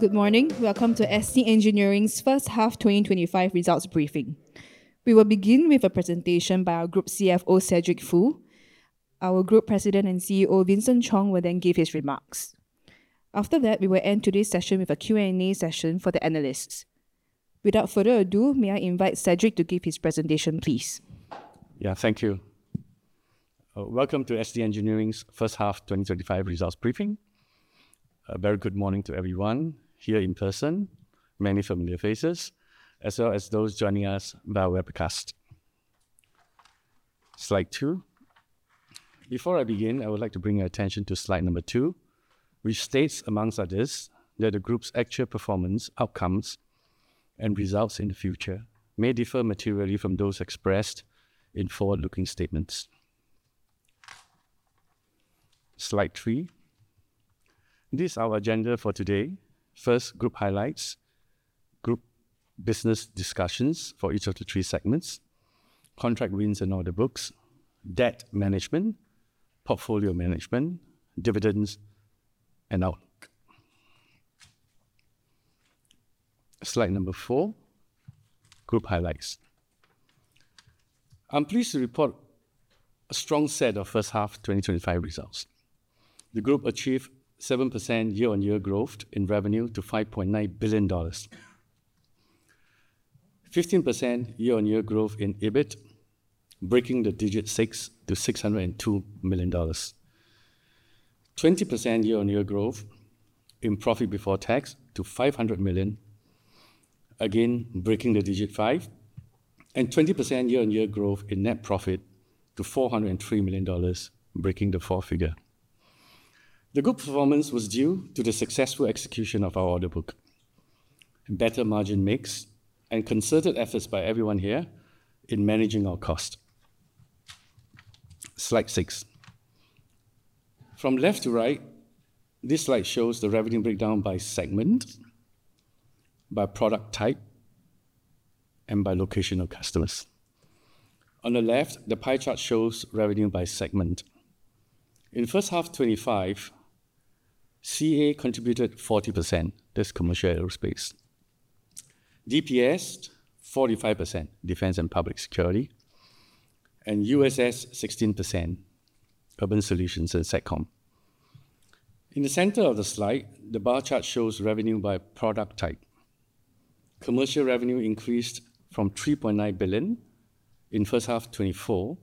Good morning. Welcome to ST Engineering's First-Half 2025 Results briefing. We will begin with a presentation by our Group CFO, Cedric Foo. Our Group President and CEO, Vincent Chong, will then give his remarks. After that, we will end today's session with a Q&A session for the analysts. Without further ado, may I invite Cedric to give his presentation, please? Yeah, thank you. Welcome to ST Engineering's First-Half 2025 Results briefing. A very good morning to everyone here in person. Many familiar faces, as well as those joining us via webcast. Slide two. Before I begin, I would like to bring your attention to slide number two, which states, amongst others, that the group's actual performance, outcomes, and results in the future may differ materially from those expressed in forward-looking statements. Slide three. This is our agenda for today. First, group highlights. Group business discussions for each of the three segments: contract wins and order books, debt management, portfolio management, dividends, and outlook. Slide number four, group highlights. I'm pleased to report a strong set of first half 2025 results. The group achieved 7% year-on-year growth in revenue to 5.9 billion dollars. 15% year-on-year growth in EBIT, breaking the digit six to 602 million dollars. 20% year-on-year growth in profit before tax to 500 million, again breaking the digit five, and 20% year-on-year growth in net profit to 403 million dollars, breaking the four figure. The group performance was due to the successful execution of our order book, better margin mix, and concerted efforts by everyone here in managing our cost. Slide six. From left to right, this slide shows the revenue breakdown by segment, by product type, and by location of customers. On the left, the pie chart shows revenue by segment. In first half 2025, CA contributed 40%, that's Commercial Aerospace. DPS 45%, Defense & Public Security, and USS 16%, Urban Solutions & Satcom. In the center of the slide, the bar chart shows revenue by product type. Commercial revenue increased from 3.9 billion in first half 2024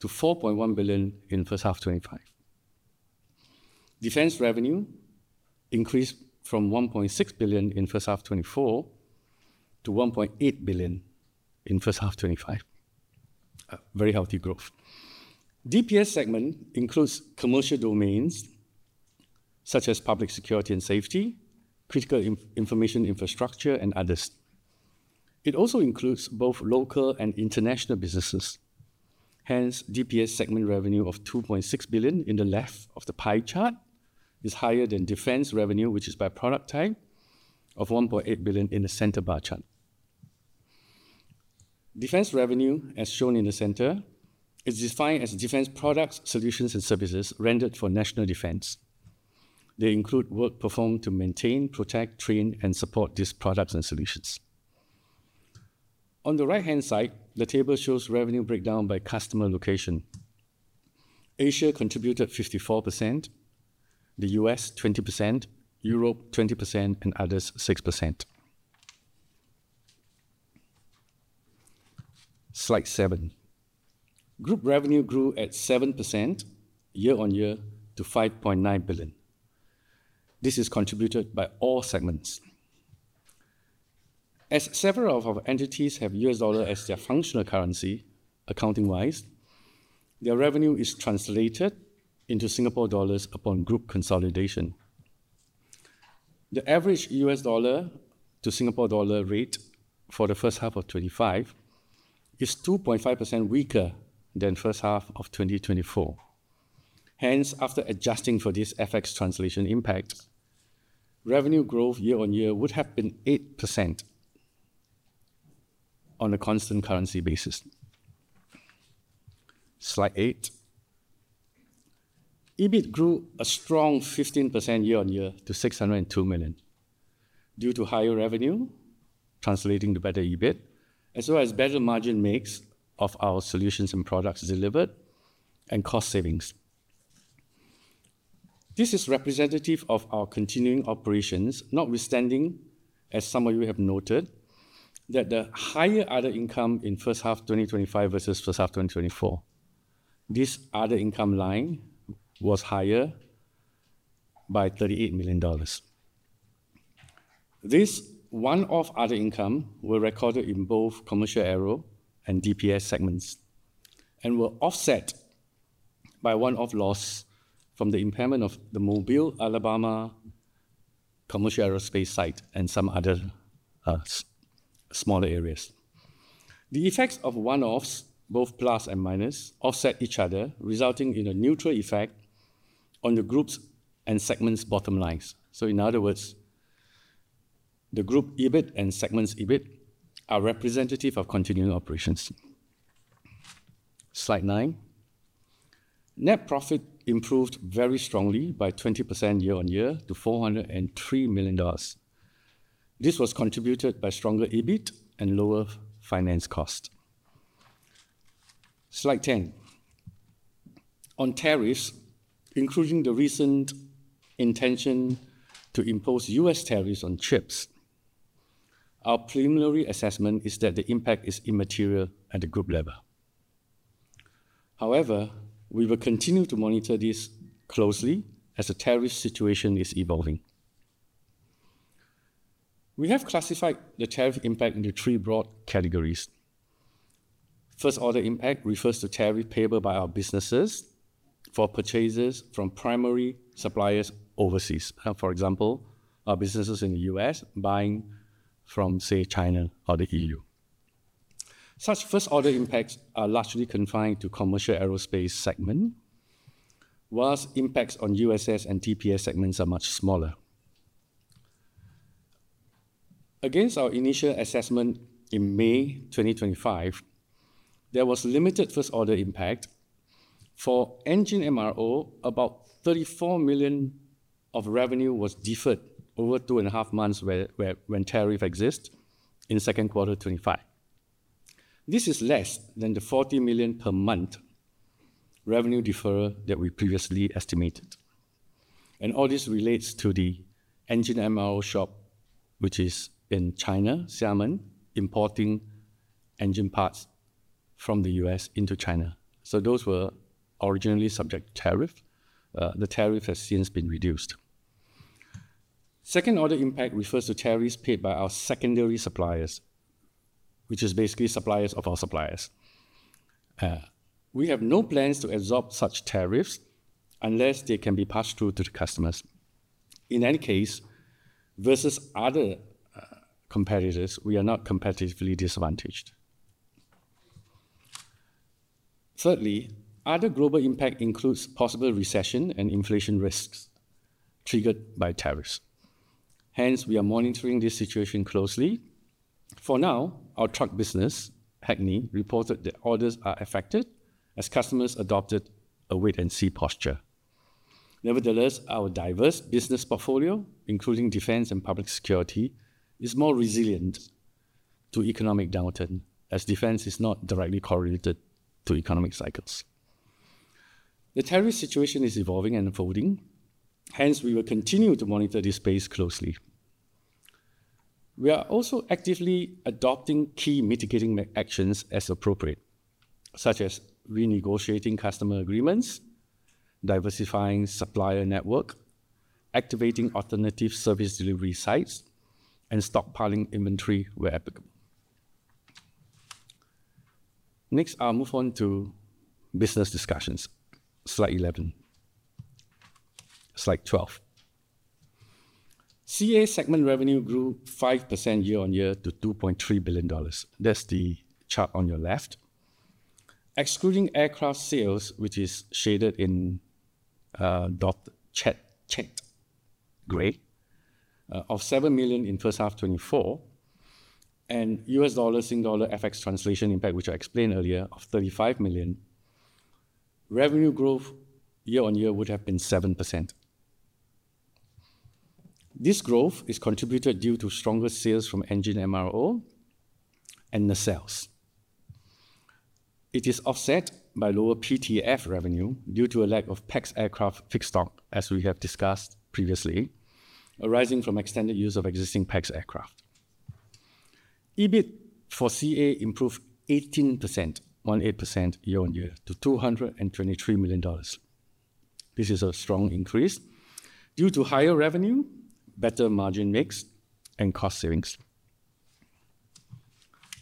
to 4.1 billion in first half 2025. Defense revenue increased from 1.6 billion in first half 2024 to 1.8 billion in first half 2025. Very healthy growth. DPS segment includes commercial domains, such as public security and safety, critical information infrastructure, and others. It also includes both local and international businesses. Hence, DPS segment revenue of SGD 2.6 billion in the left of the pie chart is higher than defense revenue, which is by product type, of 1.8 billion in the center bar chart. Defense revenue, as shown in the center, is defined as defense products, solutions, and services rendered for national defense. They include work performed to maintain, protect, train, and support these products and solutions. On the right-hand side, the table shows revenue breakdown by customer location. Asia contributed 54%, the U.S. 20%, Europe 20%, and others 6%. Slide seven. Group revenue grew at 7% year-on-year to 5.9 billion. This is contributed by all segments. As several of our entities have U.S. dollar as their functional currency, accounting-wise, their revenue is translated into Singapore dollars upon group consolidation. The average U.S. dollar to Singapore dollar rate for the first half of 2025 is 2.5% weaker than first half of 2024. Hence, after adjusting for these FX translation impacts, revenue growth year-on-year would have been 8% on a constant currency basis. Slide eight. EBIT grew a strong 15% year-on-year to 602 million due to higher revenue, translating to better EBIT, as well as better margin mix of our solutions and products delivered, and cost savings. This is representative of our continuing operations, notwithstanding, as some of you have noted, that the higher other income in first half 2025 versus first half 2024. This other income line was higher by SGD 38 million. This one-off other income was recorded in both Commercial Aerospace and DPS segments and was offset by one-off loss from the impairment of the Mobile Alabama Commercial Aerospace site and some other smaller areas. The effects of one-offs, both plus and minus, offset each other, resulting in a neutral effect on the group's and segment's bottom lines. In other words, the group EBIT and segment's EBIT are representative of continuing operations. Slide nine. Net profit improved very strongly by 20% year-on-year to 403 million dollars. This was contributed by stronger EBIT and lower finance cost. Slide 10. On tariffs, including the recent intention to impose U.S. tariffs on chips, our preliminary assessment is that the impact is immaterial at the group level. However, we will continue to monitor this closely as the tariff situation is evolving. We have classified the tariff impact into three broad categories. First order impact refers to tariffs payable by our businesses for purchases from primary suppliers overseas. For example, our businesses in the U.S. buying from, say, China or the EU. Such first order impacts are largely confined to Commercial Aerospace segment, whilst impacts on USS and DSS segments are much smaller. Against our initial assessment in May 2025, there was limited first order impact. For engine MRO, about 34 million of revenue was deferred over two and a half months when tariffs exist in the second quarter 2025. This is less than the 40 million per month revenue deferral that we previously estimated. All this relates to the engine MRO shop, which is in China, Xiamen, importing engine parts from the U.S. into China. Those were originally subject to tariff. The tariff has since been reduced. Second order impact refers to tariffs paid by our secondary suppliers, which is basically suppliers of our suppliers. We have no plans to absorb such tariffs unless they can be passed through to the customers. In any case, versus other competitors, we are not competitively disadvantaged. Thirdly, other global impact includes possible recession and inflation risks triggered by tariffs. Hence, we are monitoring this situation closely. For now, our truck business, Hackney, reported that orders are affected as customers adopted a wait-and-see posture. Nevertheless, our diverse business portfolio, including Defense & Public Security, is more resilient to economic downturn as defense is not directly correlated to economic cycles. The tariff situation is evolving and unfolding. Hence, we will continue to monitor this space closely. We are also actively adopting key mitigating actions as appropriate, such as renegotiating customer agreements, diversifying supplier network, activating alternative service delivery sites, and stockpiling inventory where applicable. Next, I'll move on to business discussions. Slide 11. Slide 12. CA segment revenue grew 5% year-on-year to 2.3 billion dollars. That's the chart on your left. Excluding aircraft sales, which is shaded in dotted checked gray, of 7 million in first half 2024, and U.S. dollar-Sing dollar FX translation impact, which I explained earlier, of 35 million, revenue growth year-on-year would have been 7%. This growth is contributed due to stronger sales from engine MRO and the sales. It is offset by lower PTF revenue due to a lack of PEX aircraft fixed stock, as we have discussed previously, arising from extended use of existing PEX aircraft. EBIT for CA improved 18% year-on-year to SGD 223 million. This is a strong increase due to higher revenue, better margin mix, and cost savings.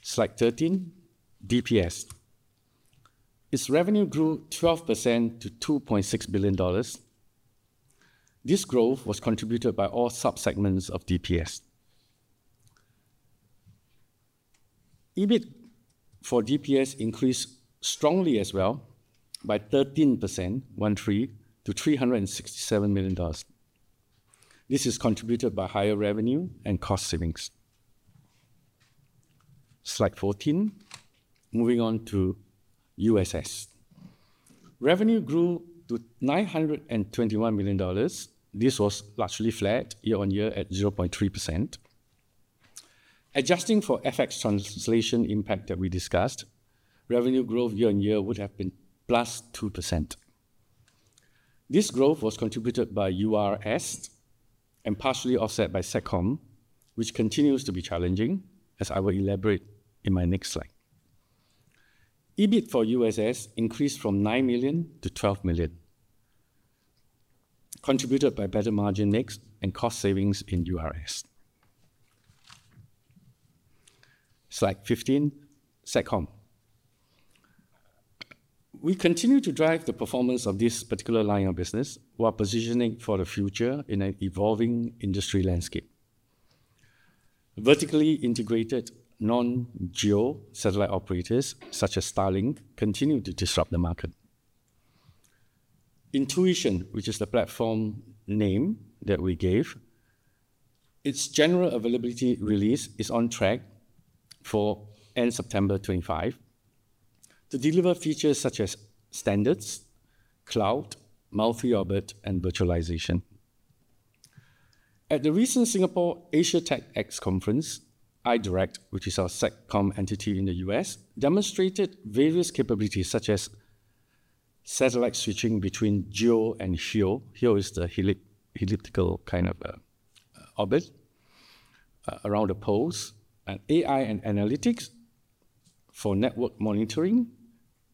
Slide 13. DPS. Its revenue grew 12% to 2.6 billion dollars. This growth was contributed by all subsegments of DPS. EBIT for DPS increased strongly as well by 13% to 367 million dollars. This is contributed by higher revenue and cost savings. Slide 14. Moving on to USS. Revenue grew to 921 million dollars. This was largely flat year-on-year at 0.3%. Adjusting for FX translation impact that we discussed, revenue growth year-on-year would have been +2%. This growth was contributed by URS and partially offset by Satcom, which continues to be challenging, as I will elaborate in my next slide. EBIT for USS increased from 9 million to 12 million, contributed by better margin mix and cost savings in URS. Slide 15. Satcom. We continue to drive the performance of this particular line of business while positioning for the future in an evolving industry landscape. Vertically integrated non-GEO satellite operators, such as Starlink, continue to disrupt the market. INTUITION, which is the platform name that we gave, its general availability release is on track for end September 2025 to deliver features such as standards, cloud, multi-orbit, and virtualization. At the recent Singapore Asia TechX conference, iDirect, which is our Satcom entity in the U.S., demonstrated various capabilities such as satellite switching between GEO and HEO. HEO is the elliptical kind of orbit around the poles, and AI and analytics for network monitoring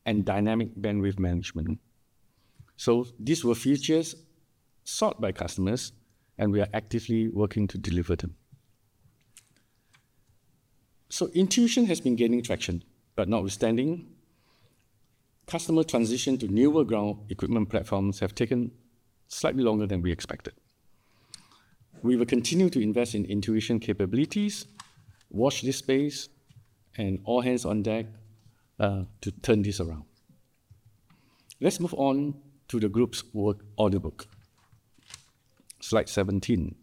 and dynamic bandwidth management. These were features sought by customers, and we are actively working to deliver them. Intuition has been gaining traction, but notwithstanding, customer transition to newer ground equipment platforms has taken slightly longer than we expected. We will continue to invest in Intuition capabilities, watch this space, and all hands on deck to turn this around. Let's move on to the group's work order book. Slide 17.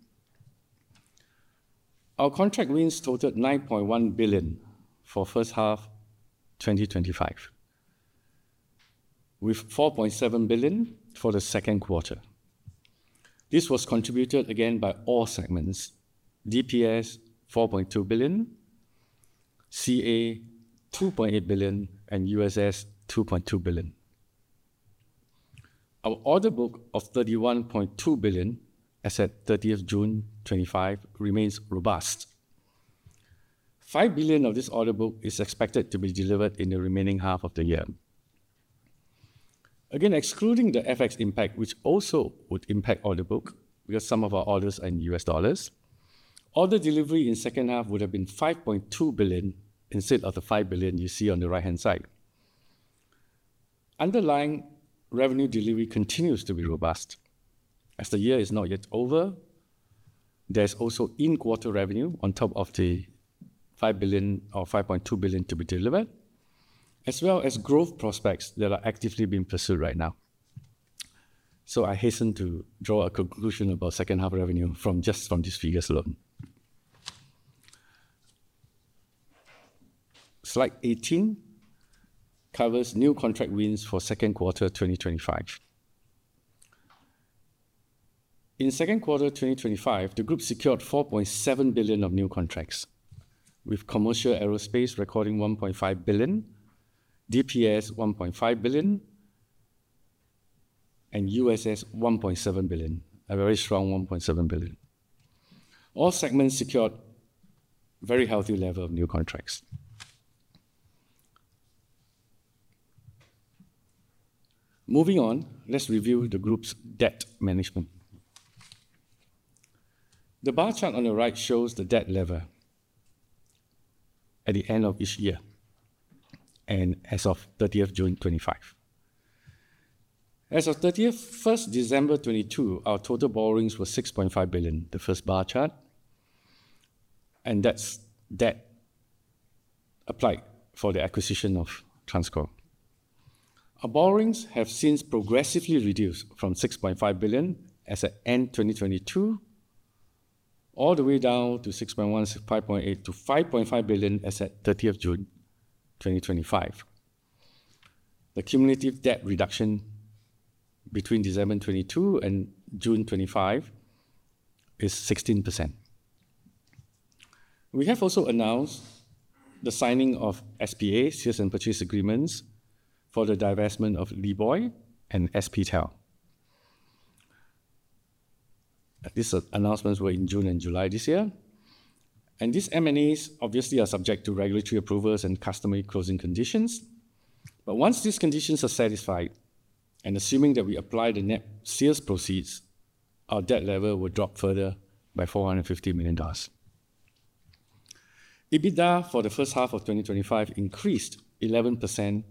Our contract wins totaled 9.1 billion for first half 2025, with 4.7 billion for the second quarter. This was contributed again by all segments: DPS 4.2 billion, CA 2.8 billion, and USS 2.2 billion. Our order book of 31.2 billion, as at 30th June 2025, remains robust. 5 billion of this order book is expected to be delivered in the remaining half of the year. Again, excluding the FX impact, which also would impact order book because some of our orders are in U.S. dollars, order delivery in the second half would have been 5.2 billion instead of the 5 billion you see on the right-hand side. Underlying revenue delivery continues to be robust. As the year is not yet over, there's also in-quarter revenue on top of the 5 billion or 5.2 billion to be delivered, as well as growth prospects that are actively being pursued right now. I hasten to draw a conclusion about second half revenue just from these figures alone. Slide 18 covers new contract wins for second quarter 2025. In second quarter 2025, the group secured 4.7 billion of new contracts, with Commercial Aerospace recording 1.5 billion, DPS 1.5 billion, and USS 1.7 billion, a very strong 1.7 billion. All segments secured a very healthy level of new contracts. Moving on, let's review the group's debt management. The bar chart on your right shows the debt level at the end of each year and as of 30th June 2025. As of 31st December 2022, our total borrowings were 6.5 billion, the first bar chart, and that's debt applied for the acquisition of TransCore. Our borrowings have since progressively reduced from 6.5 billion as at end 2022, all the way down to 6.1 to 5.8 to 5.5 billion as at 30th June 2025. The cumulative debt reduction between December 2022 and June 2025 is 16%. We have also announced the signing of SPA, sales and purchase agreements, for the divestment of LeeBoy and SPTel. These announcements were in June and July this year. These M&As obviously are subject to regulatory approvals and customary closing conditions. Once these conditions are satisfied, and assuming that we apply the net sales proceeds, our debt level will drop further by 450 million dollars. EBITDA for the first half of 2025 increased 11%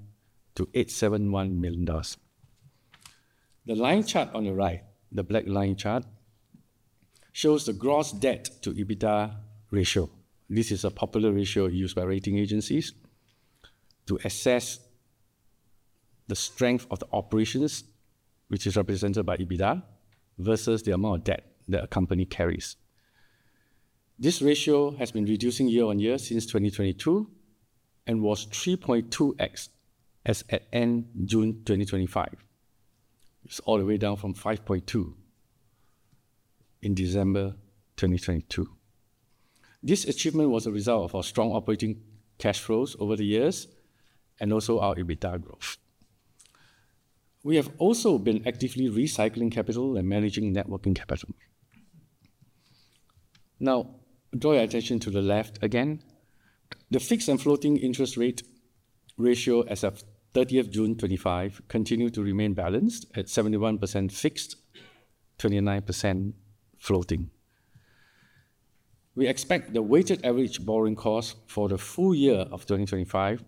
to 871 million dollars. The line chart on the right, the black line chart, shows the gross debt to EBITDA ratio. This is a popular ratio used by rating agencies to assess the strength of the operations, which is represented by EBITDA, versus the amount of debt that a company carries. This ratio has been reducing year on year since 2022 and was 3.2x as at end June 2025. It's all the way down from 5.2x in December 2022. This achievement was a result of our strong operating cash flows over the years and also our EBITDA growth. We have also been actively recycling capital and managing networking capital. Now, draw your attention to the left again. The fixed and floating interest rate ratio as of 30th June 2025 continued to remain balanced at 71% fixed, 29% floating. We expect the weighted average borrowing cost for the full year of 2025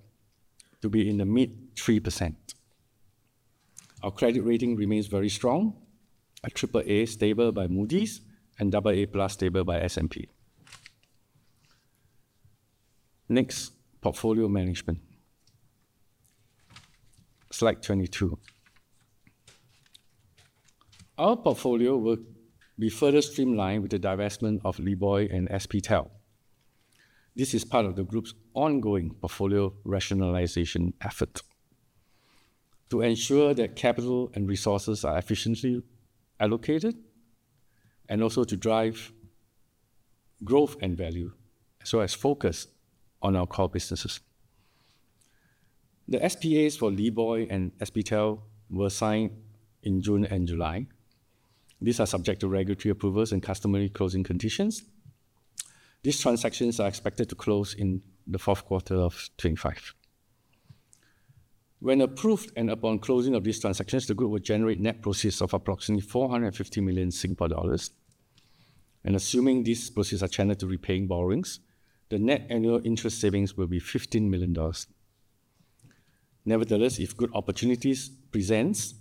to be in the mid 3%. Our credit rating remains very strong, AAA stable by Moody’s and AA+ stable by S&P. Next, portfolio management. Slide 22. Our portfolio will be further streamlined with the divestment of LeeBoy and SPTel. This is part of the group’s ongoing portfolio rationalization effort to ensure that capital and resources are efficiently allocated and also to drive growth and value, as well as focus on our core businesses. The SPAs for LeeBoy and SPTel were signed in June and July. These are subject to regulatory approvals and customary closing conditions. These transactions are expected to close in the fourth quarter of 2025. When approved and upon closing of these transactions, the group will generate net proceeds of approximately 450 million Singapore dollars. Assuming these proceeds are channeled to repaying borrowings, the net annual interest savings will be 15 million dollars. Nevertheless, if good opportunities present,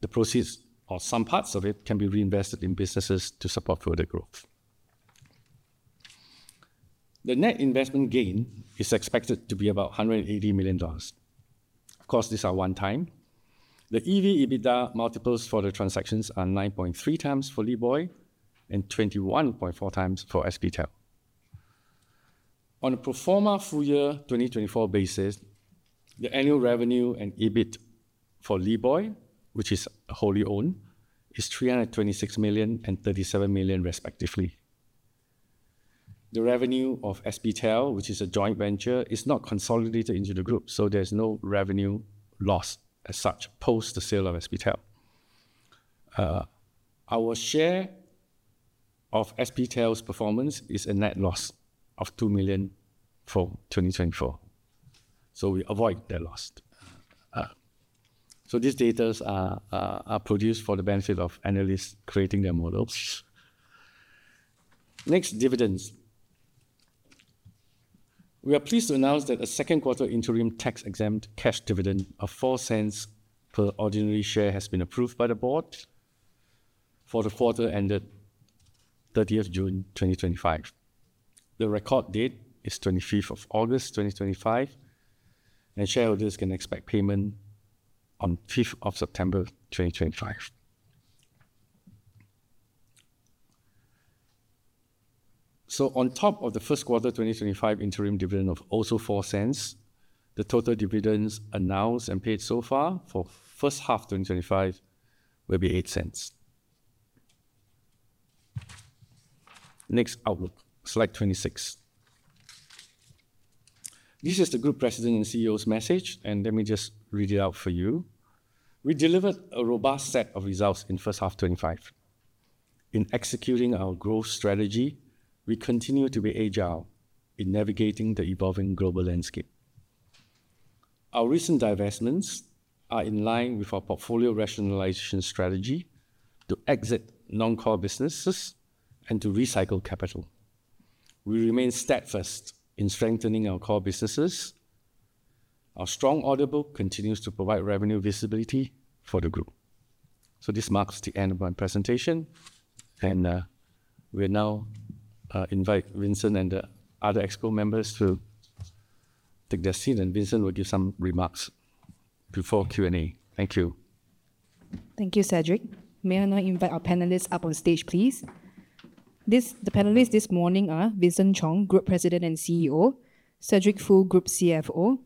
the proceeds or some parts of it can be reinvested in businesses to support further growth. The net investment gain is expected to be about 180 million dollars. Of course, these are one-time. The EV/EBITDA multiples for the transactions are 9.3x for Leeboy and 21.4x for SPTel. On a pro forma full-year 2024 basis, the annual revenue and EBIT for LeeBoy, which is wholly owned, is 326 million and 37 million, respectively. The revenue of SPTel, which is a joint venture, is not consolidated into the group, so there’s no revenue loss as such post the sale of SPTel. Our share of SPTel’s performance is a net loss of 2 million from 2024. We avoid that loss. These data are produced for the benefit of analysts creating their models. Next, dividends. We are pleased to announce that a second quarter interim tax-exempt cash dividend of 0.04 per ordinary share has been approved by the board for the quarter ended 30th June 2025. The record date is 25th of August 2025, and shareholders can expect payment on 5th of September 2025. On top of the first quarter 2025 interim dividend of also 0.04, the total dividends announced and paid so far for first half 2025 will be 0.08. Next, outlook. Slide 26. This is the Group President and CEO’s message, and let me just read it out for you. We delivered a robust set of results in first half 2025. In executing our growth strategy, we continue to be agile in navigating the evolving global landscape. Our recent divestments are in line with our portfolio rationalization strategy to exit non-core businesses and to recycle capital. We remain steadfast in strengthening our core businesses. Our strong order book continues to provide revenue visibility for the group. This marks the end of my presentation, and we'll now invite Vincent and the other Exco members to take their seats, and Vincent will give some remarks before Q&A. Thank you. Thank you, Cedric. May I now invite our panelists up on stage, please? The panelists this morning are Vincent Chong, Group President & CEO; Cedric Foo, Group CFO;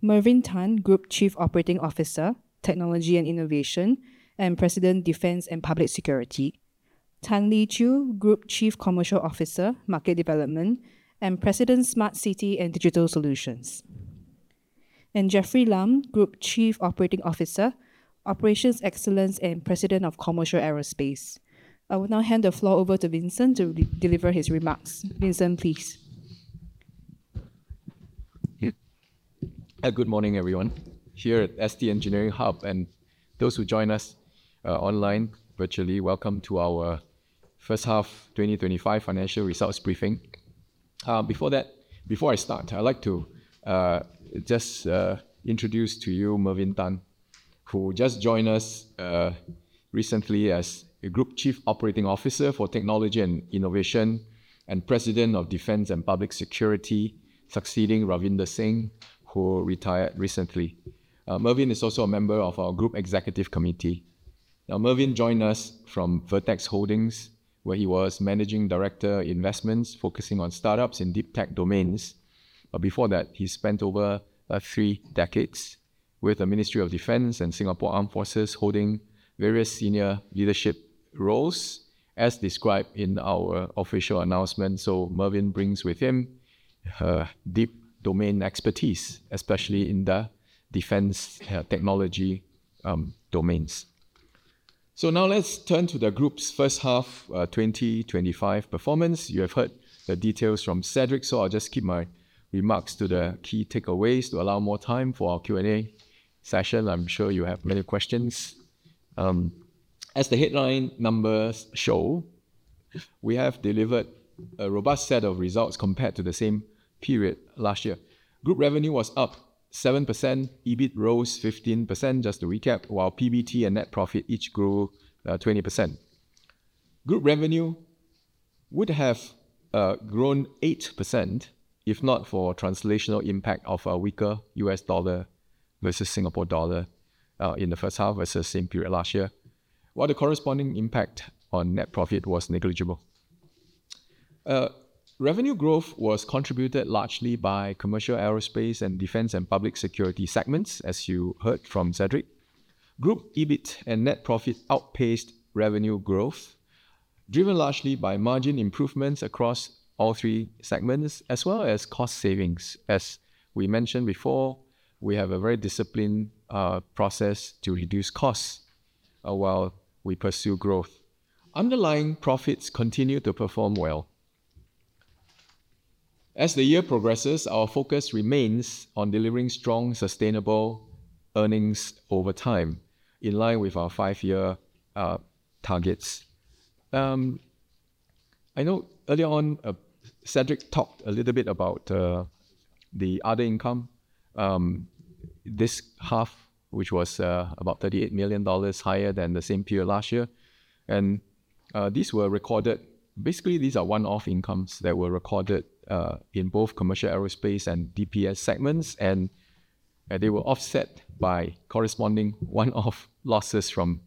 Mervyn Tan, Group COO, Technology & Innovation and President, Defense & Public Security; Tan Lee Chew, Group CCO and President, Smart City & Digital Solutions; and Jeffrey Lam, Group COO, Operations Excellence and President, Commercial Aerospace. I will now hand the floor over to Vincent to deliver his remarks. Vincent, please. Good morning, everyone, here at ST Engineering Hub and those who join us online virtually. Welcome to our first half 2025 financial results briefing. Before I start, I'd like to just introduce to you Mervyn Tan, who just joined us recently as Group Chief Operating Officer for Technology & Innovation and President of Defense & Public Security, succeeding Ravinder Singh, who retired recently. Mervyn is also a member of our Group Executive Committee. Mervyn joined us from Vertex Holdings, where he was Managing Director, Investments, focusing on start-ups in deep tech domains. Before that, he spent over three decades with the Ministry of Defense and Singapore Armed Forces, holding various senior leadership roles, as described in our official announcement. Mervyn brings with him deep domain expertise, especially in the defense technology domains. Now let's turn to the group's first half 2025 performance. You have heard the details from Cedric, so I'll just keep my remarks to the key takeaways to allow more time for our Q&A session. I'm sure you have many questions. As the headline numbers show, we have delivered a robust set of results compared to the same period last year. Group revenue was up 7%, EBIT rose 15%, just to recap, while PBT and net profit each grew 20%. Group revenue would have grown 8% if not for the translational impact of a weaker U.S. dollar versus Singapore dollar in the first half versus the same period last year, while the corresponding impact on net profit was negligible. Revenue growth was contributed largely by Commercial Aerospace and Defense & Public Security segments, as you heard from Cedric. Group EBIT and net profit outpaced revenue growth, driven largely by margin improvements across all three segments, as well as cost savings. As we mentioned before, we have a very disciplined process to reduce costs while we pursue growth. Underlying profits continue to perform well. As the year progresses, our focus remains on delivering strong, sustainable earnings over time, in line with our five-year targets. I know earlier on, Cedric talked a little bit about the other income. This half, which was about 38 million dollars higher than the same period last year, and these were recorded. Basically, these are one-off incomes that were recorded in both Commercial Aerospace and Defense & Public Security segments, and they were offset by corresponding one-off losses from,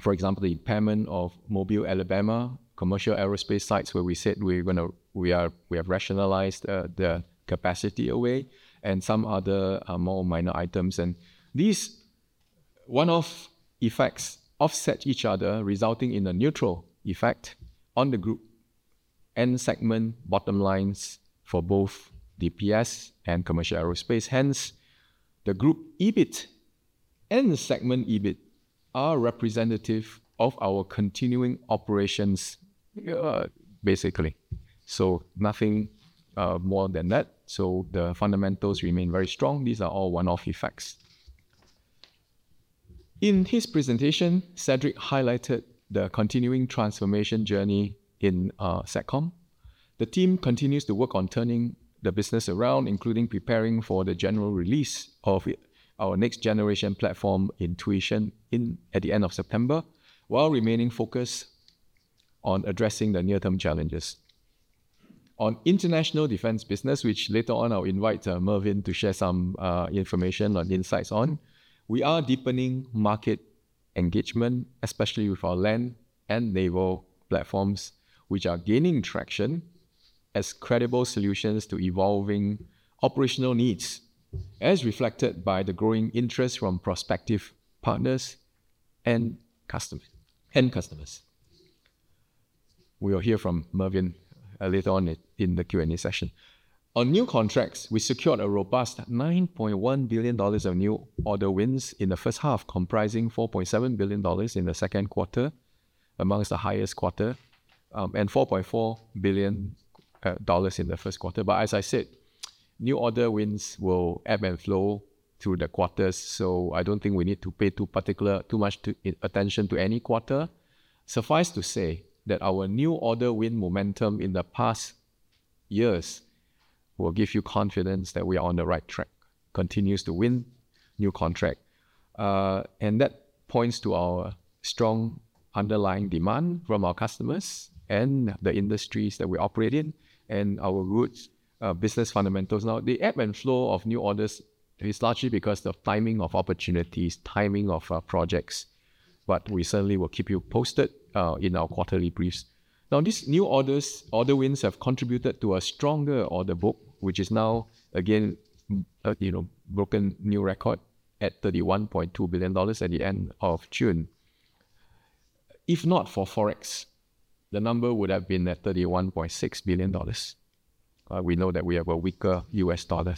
for example, the impairment of Mobile Alabama Commercial Aerospace sites where we said we are going to, we have rationalized the capacity away, and some other more minor items. These one-off effects offset each other, resulting in a neutral effect on the group and segment bottom lines for both DPS and Commercial Aerospace. Hence, the group EBIT and the segment EBIT are representative of our continuing operations, basically. Nothing more than that. The fundamentals remain very strong. These are all one-off effects. In his presentation, Cedric highlighted the continuing transformation journey in secom. The team continues to work on turning the business around, including preparing for the general release of our next-generation platform, Intuition, at the end of September, while remaining focused on addressing the near-term challenges. On international defense business, which later on I'll invite Mervyn to share some information and insights on, we are deepening market engagement, especially with our land and naval platforms, which are gaining traction as credible solutions to evolving operational needs, as reflected by the growing interest from prospective partners and customers. We'll hear from Mervyn later on in the Q&A session. On new contracts, we secured a robust 9.1 billion dollars of new order wins in the first half, comprising 4.7 billion dollars in the second quarter, amongst the highest quarter, and 4.4 billion dollars in the first quarter. As I said, new order wins will ebb and flow through the quarters, so I don't think we need to pay too much attention to any quarter. Suffice to say that our new order win momentum in the past years will give you confidence that we are on the right track, continues to win new contracts. That points to our strong underlying demand from our customers and the industries that we operate in and our good business fundamentals. The ebb and flow of new orders is largely because of timing of opportunities, timing of projects, but we certainly will keep you posted in our quarterly briefs. These new order wins have contributed to a stronger order book, which is now, again, you know, broken new record at 31.2 billion dollars at the end of June. If not for Forex, the number would have been at SGD 31.6 billion. We know that we have a weaker U.S. dollar.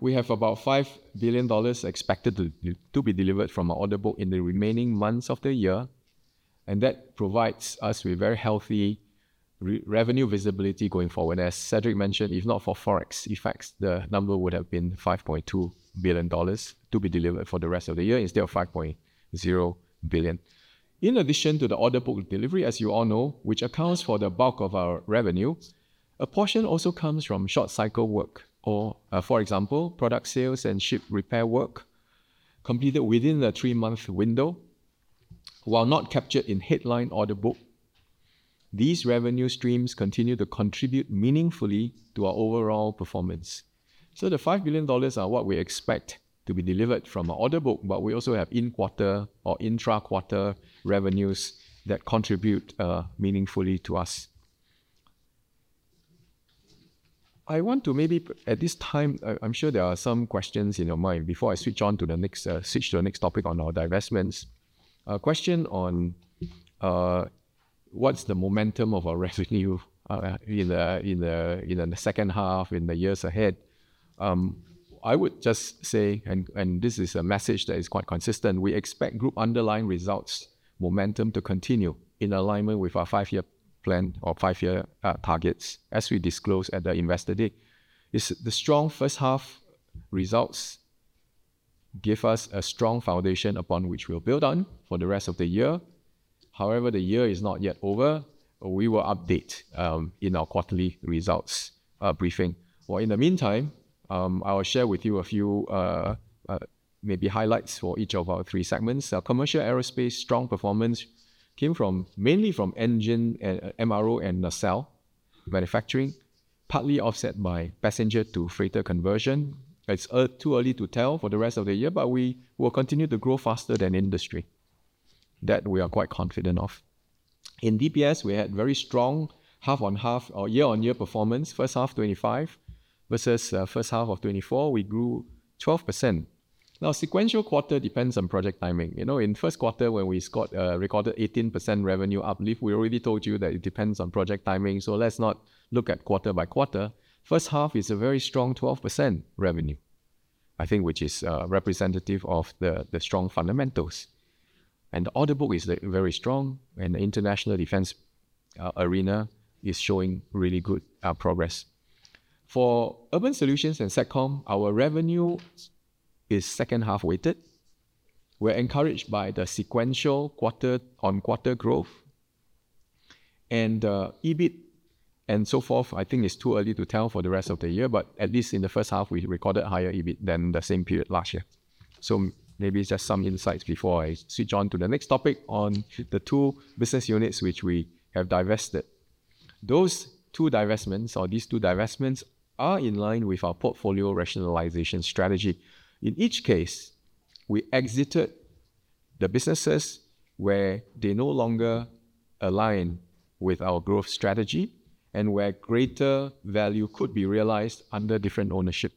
We have about SGD 5 billion expected to be delivered from our order book in the remaining months of the year, and that provides us with very healthy revenue visibility going forward. As Cedric mentioned, if not for Forex effects, the number would have been 5.2 billion dollars to be delivered for the rest of the year instead of 5.0 billion. In addition to the order book delivery, as you all know, which accounts for the bulk of our revenue, a portion also comes from short cycle work, or for example, product sales and ship repair work completed within the three-month window. While not captured in headline order book, these revenue streams continue to contribute meaningfully to our overall performance. The 5 billion dollars are what we expect to be delivered from our order book, but we also have in-quarter or intra-quarter revenues that contribute meaningfully to us. I want to maybe at this time, I'm sure there are some questions in your mind before I switch on to the next topic on our divestments. A question on what's the momentum of our revenue in the second half in the years ahead. I would just say, and this is a message that is quite consistent, we expect group underlying results momentum to continue in alignment with our five-year plan or five-year targets as we disclosed at the investor day. The strong first half results give us a strong foundation upon which we'll build on for the rest of the year. However, the year is not yet over. We will update in our quarterly results briefing. In the meantime, I will share with you a few maybe highlights for each of our three segments. Our Commercial Aerospace strong performance came mainly from engine MRO and nacelle manufacturing, partly offset by passenger-to-freighter conversion. It's too early to tell for the rest of the year, but we will continue to grow faster than industry that we are quite confident of. In DPS, we had very strong half-on-half or year-on-year performance. First half 2025 versus first half of 2024, we grew 12%. Now, sequential quarter depends on project timing. In the first quarter, when we recorded 18% revenue uplift, we already told you that it depends on project timing, so let's not look at quarter by quarter. First half is a very strong 12% revenue, I think, which is representative of the strong fundamentals. The order book is very strong, and the international defense arena is showing really good progress. For Urban Solutions & Satcom, our revenue is second half weighted. We're encouraged by the sequential quarter-on-quarter growth. The EBIT and so forth, I think it's too early to tell for the rest of the year, but at least in the first half, we recorded higher EBIT than the same period last year. Maybe just some insights before I switch on to the next topic on the two business units which we have divested. These two divestments are in line with our portfolio rationalization strategy. In each case, we exited the businesses where they no longer align with our growth strategy and where greater value could be realized under different ownership.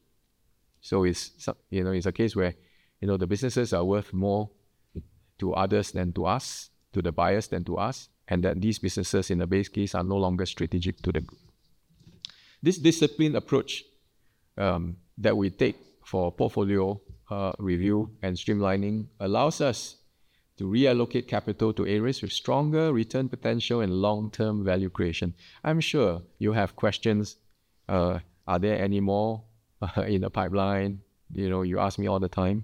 It's a case where the businesses are worth more to others than to us, to the buyers than to us, and that these businesses in the base case are no longer strategic to the group. This disciplined approach that we take for portfolio review and streamlining allows us to reallocate capital to areas with stronger return potential and long-term value creation. I'm sure you'll have questions, are there any more in the pipeline? You know, you ask me all the time.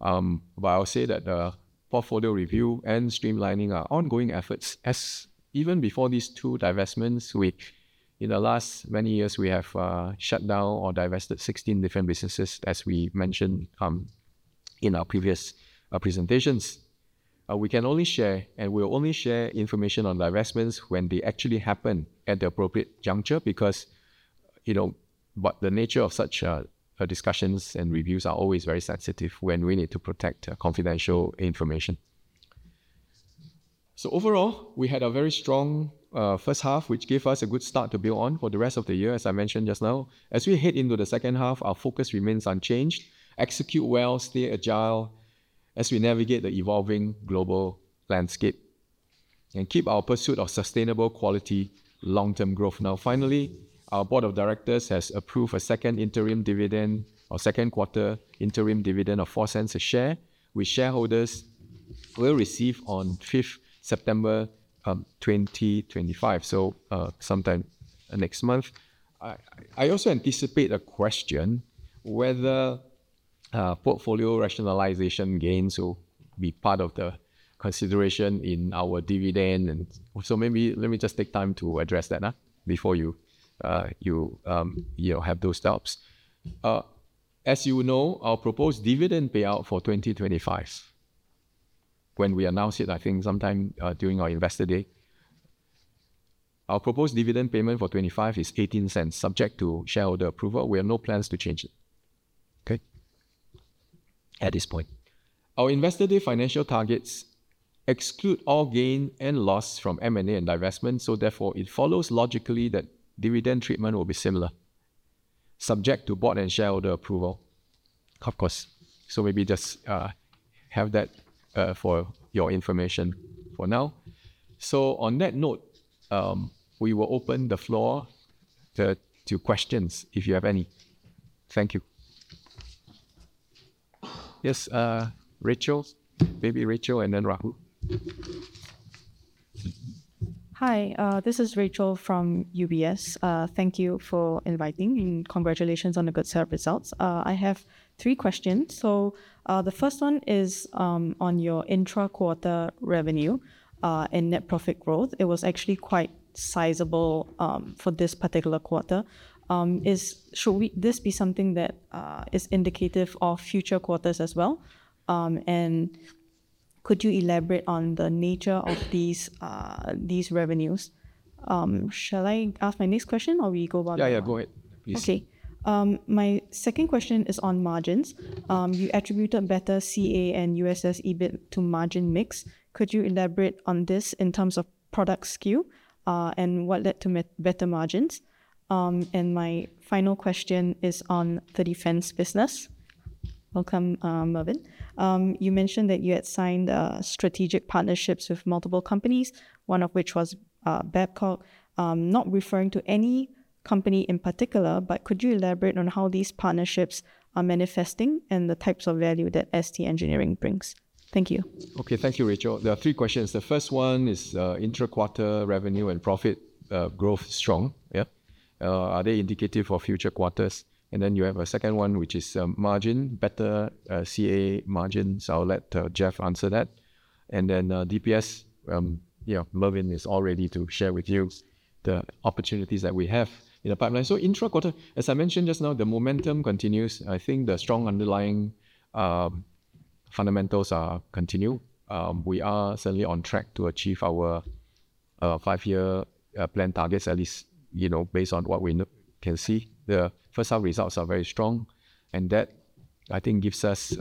I'll say that the portfolio review and streamlining are ongoing efforts. Even before these two divestments, in the last many years, we have shut down or divested 16 different businesses, as we mentioned in our previous presentations. We can only share and we'll only share information on divestments when they actually happen at the appropriate juncture because the nature of such discussions and reviews are always very sensitive when we need to protect confidential information. Overall, we had a very strong first half, which gave us a good start to build on for the rest of the year, as I mentioned just now. As we head into the second half, our focus remains unchanged. Execute well, stay agile as we navigate the evolving global landscape and keep our pursuit of sustainable quality long-term growth. Finally, our Board of Directors has approved a second interim dividend or second quarter interim dividend of 0.04 a share, which shareholders will receive on 5th September 2025, so sometime next month. I also anticipate a question whether portfolio rationalization gains will be part of the consideration in our dividend. Maybe let me just take time to address that before you have those doubts. As you know, our proposed dividend payout for 2025, when we announce it, I think sometime during our investor day, our proposed dividend payment for 2025 is 0.18 subject to shareholder approval. We have no plans to change it. At this point, our investor day financial targets exclude all gain and loss from M&A and divestment, so therefore it follows logically that dividend treatment will be similar, subject to board and shareholder approval. Of course. Maybe just have that for your information for now. On that note, we will open the floor to questions if you have any. Thank you. Yes, Rachel, maybe Rachel and then Rahul. Hi, this is Rachel from UBS. Thank you for inviting and congratulations on the good set of results. I have three questions. The first one is on your intra-quarter revenue and net profit growth. It was actually quite sizable for this particular quarter. Should this be something that is indicative of future quarters as well? Could you elaborate on the nature of these revenues? Shall I ask my next question or will you go about? Yeah, go ahead, please. Okay. My second question is on margins. You attributed better CA and USS EBIT to margin mix. Could you elaborate on this in terms of product skew and what led to better margins? My final question is on the defense business. Welcome, Mervyn. You mentioned that you had signed strategic partnerships with multiple companies, one of which was Babcock, not referring to any company in particular, but could you elaborate on how these partnerships are manifesting and the types of value that ST Engineering brings? Thank you. Okay, thank you, Rachel. There are three questions. The first one is intra-quarter revenue and profit growth strong. Yeah. Are they indicative for future quarters? Then you have a second one, which is margin, better CA margins. I'll let Jeff answer that. DPS, yeah, Mervyn is all ready to share with you the opportunities that we have in the pipeline. Intra-quarter, as I mentioned just now, the momentum continues. I think the strong underlying fundamentals continue. We are certainly on track to achieve our five-year plan targets, at least, you know, based on what we can see. The first half results are very strong, and that, I think, gives us,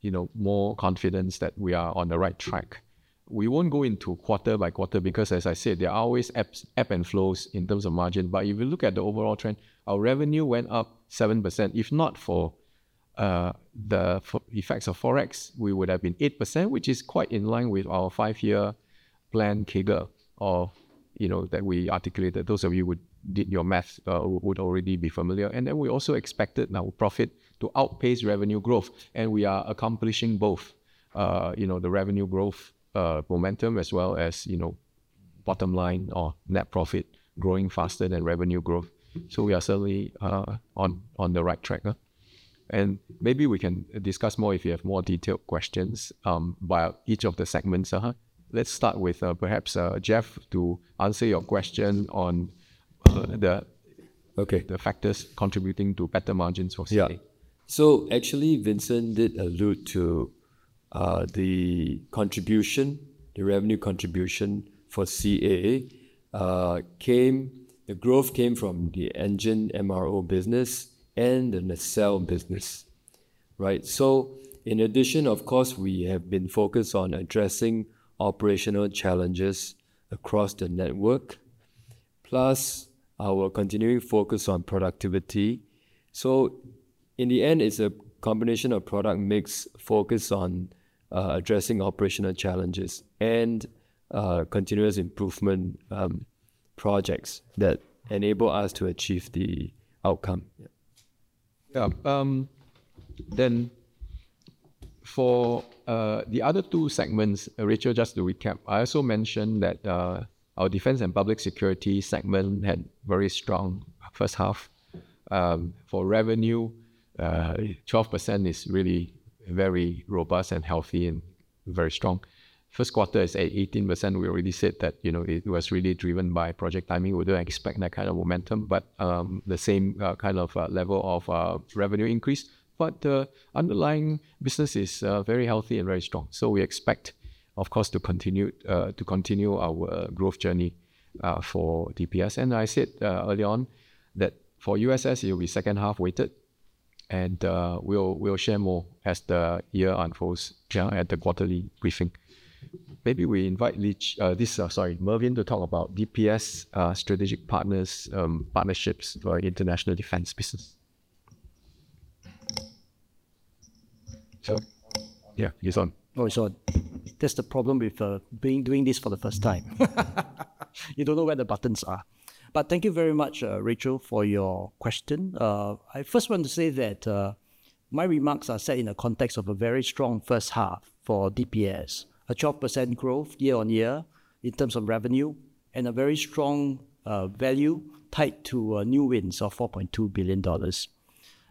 you know, more confidence that we are on the right track. We won't go into quarter by quarter because, as I said, there are always ebbs and flows in terms of margin. If you look at the overall trend, our revenue went up 7%. If not for the effects of Forex, we would have been 8%, which is quite in line with our five-year plan, CAGR, or, you know, that we articulated. Those of you who did your math would already be familiar. We also expected our profit to outpace revenue growth, and we are accomplishing both, you know, the revenue growth momentum as well as, you know, bottom line or net profit growing faster than revenue growth. We are certainly on the right track. Maybe we can discuss more if you have more detailed questions by each of the segments. Let's start with perhaps Jeff to answer your question on the factors contributing to better margins for CA. Yeah. Actually, Vincent did allude to the contribution, the revenue contribution for CA. The growth came from the engine MRO business and the nacelle business, right? In addition, of course, we have been focused on addressing operational challenges across the network, plus our continuing focus on productivity. In the end, it's a combination of product mix focused on addressing operational challenges and continuous improvement projects that enable us to achieve the outcome. Yeah. For the other two segments, Rachel, just to recap, I also mentioned that our Defense & Public Security segment had a very strong first half. For revenue, 12% is really very robust and healthy and very strong. First quarter is at 18%. We already said that it was really driven by project timing. We don't expect that kind of momentum, but the same kind of level of revenue increase. The underlying business is very healthy and very strong. We expect, of course, to continue our growth journey for DPS. I said early on that for USS, it'll be second half weighted, and we'll share more as the year unfolds at the quarterly briefing. Maybe we invite Mervyn to talk about DPS strategic partnerships for international defense business. Yeah, you're on. Oh, so that's the problem with doing this for the first time. You don't know where the buttons are. Thank you very much, Rachel, for your question. I first want to say that my remarks are set in the context of a very strong first half for DPS, a 12% growth year on year in terms of revenue and a very strong value tied to new wins of 4.2 billion dollars.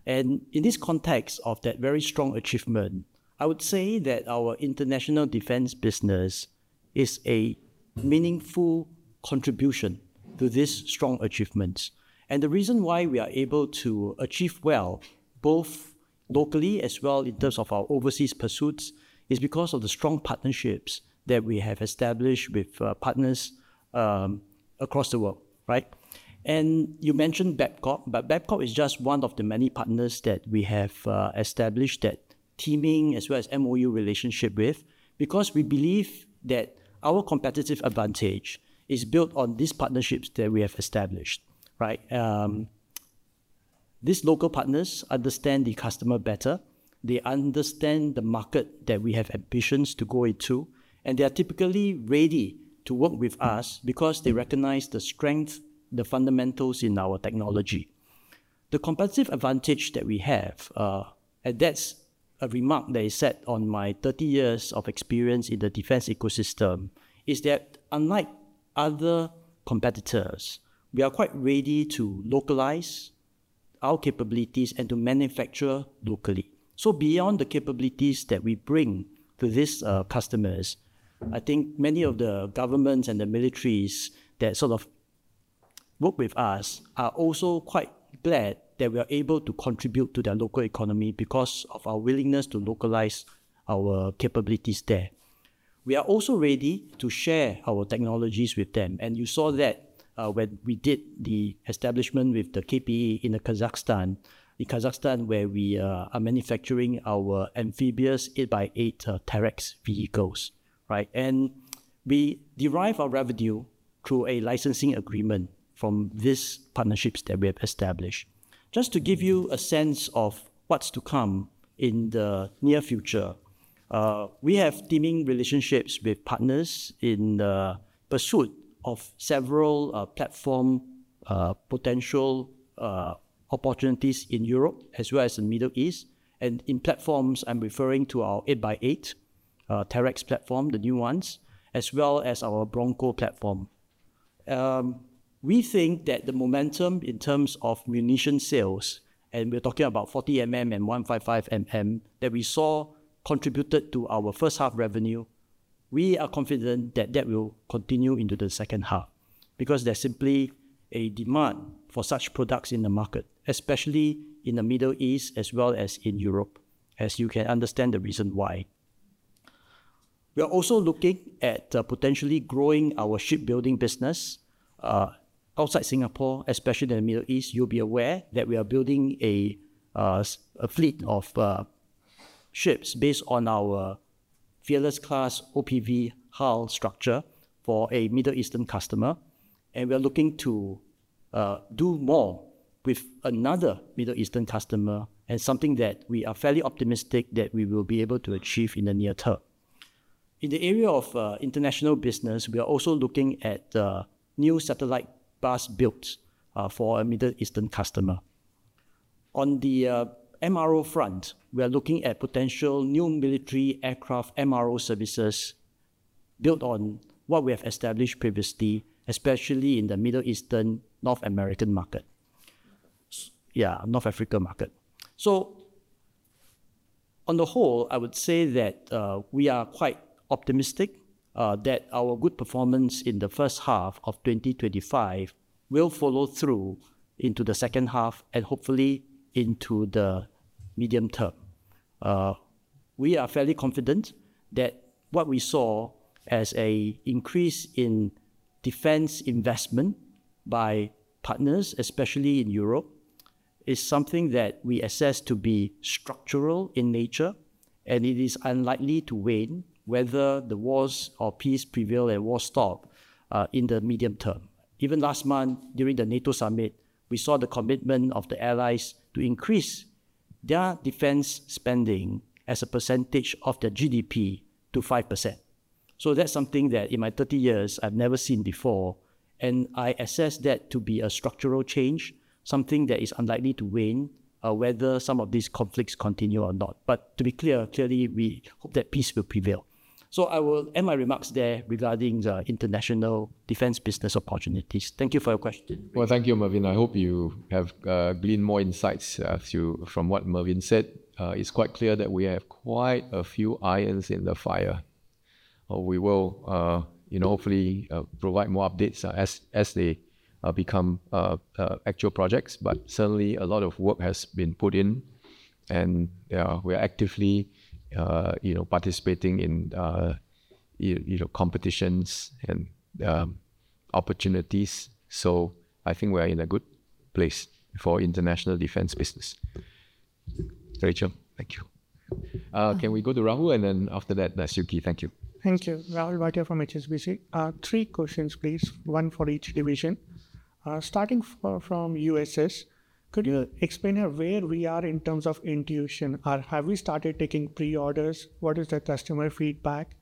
In this context of that very strong achievement, I would say that our international defense business is a meaningful contribution to this strong achievement. The reason why we are able to achieve well, both locally as well in terms of our overseas pursuits, is because of the strong partnerships that we have established with partners across the world, right? You mentioned Babcock, but Babcock is just one of the many partners that we have established that teaming as well as MOU relationship with, because we believe that our competitive advantage is built on these partnerships that we have established, right? These local partners understand the customer better. They understand the market that we have ambitions to go into, and they are typically ready to work with us because they recognize the strength, the fundamentals in our technology. The competitive advantage that we have, and that's a remark that is set on my 30 years of experience in the defense ecosystem, is that unlike other competitors, we are quite ready to localize our capabilities and to manufacture locally. Beyond the capabilities that we bring to these customers, I think many of the governments and the militaries that sort of work with us are also quite glad that we are able to contribute to their local economy because of our willingness to localize our capabilities there. We are also ready to share our technologies with them. You saw that when we did the establishment with the KPE in Kazakhstan, where we are manufacturing our amphibious 8x8 Terrex vehicles, right? We derive our revenue through a licensing agreement from these partnerships that we have established. Just to give you a sense of what's to come in the near future, we have teaming relationships with partners in the pursuit of several platform potential opportunities in Europe, as well as the Middle East. In platforms, I'm referring to our 8x8 Terrex platform, the new ones, as well as our Bronco platform. We think that the momentum in terms of munition sales, and we're talking about 40 mm and 155 mm, that we saw contributed to our first half revenue, we are confident that that will continue into the second half because there's simply a demand for such products in the market, especially in the Middle East, as well as in Europe, as you can understand the reason why. We are also looking at potentially growing our shipbuilding business outside Singapore, especially in the Middle East. You'll be aware that we are building a fleet of ships based on our Fearless Class OPV Hull structure for a Middle Eastern customer. We're looking to do more with another Middle Eastern customer and something that we are fairly optimistic that we will be able to achieve in the near term. In the area of international business, we are also looking at new satellite bus builds for a Middle Eastern customer. On the MRO front, we're looking at potential new military aircraft MRO services built on what we have established previously, especially in the Middle Eastern North African market. On the whole, I would say that we are quite optimistic that our good performance in the first half of 2025 will follow through into the second half and hopefully into the medium term. We are fairly confident that what we saw as an increase in defense investment by partners, especially in Europe, is something that we assess to be structural in nature, and it is unlikely to wane whether the wars or peace prevail and war stop in the medium term. Even last month, during the NATO summit, we saw the commitment of the allies to increase their defense spending as a percentage of the GDP to 5%. That's something that in my 30 years, I've never seen before, and I assess that to be a structural change, something that is unlikely to wane whether some of these conflicts continue or not. To be clear, clearly, we hope that peace will prevail. I will end my remarks there regarding the international defense business opportunities. Thank you for your question. Thank you, Mervyn. I hope you have gleaned more insights from what Mervyn said. It's quite clear that we have quite a few irons in the fire. We will hopefully provide more updates as they become actual projects, but certainly a lot of work has been put in, and we are actively participating in competitions and opportunities. I think we are in a good place for international defense business. Rachel, thank you. Can we go to Rahul? And then after that, Sukhi, thank you. Thank you. Rahul Bhatia from HSBC. Three questions, please, one for each division. Starting from USS, could you explain where we are in terms of Intuition? Have we started taking pre-orders? What is the customer feedback?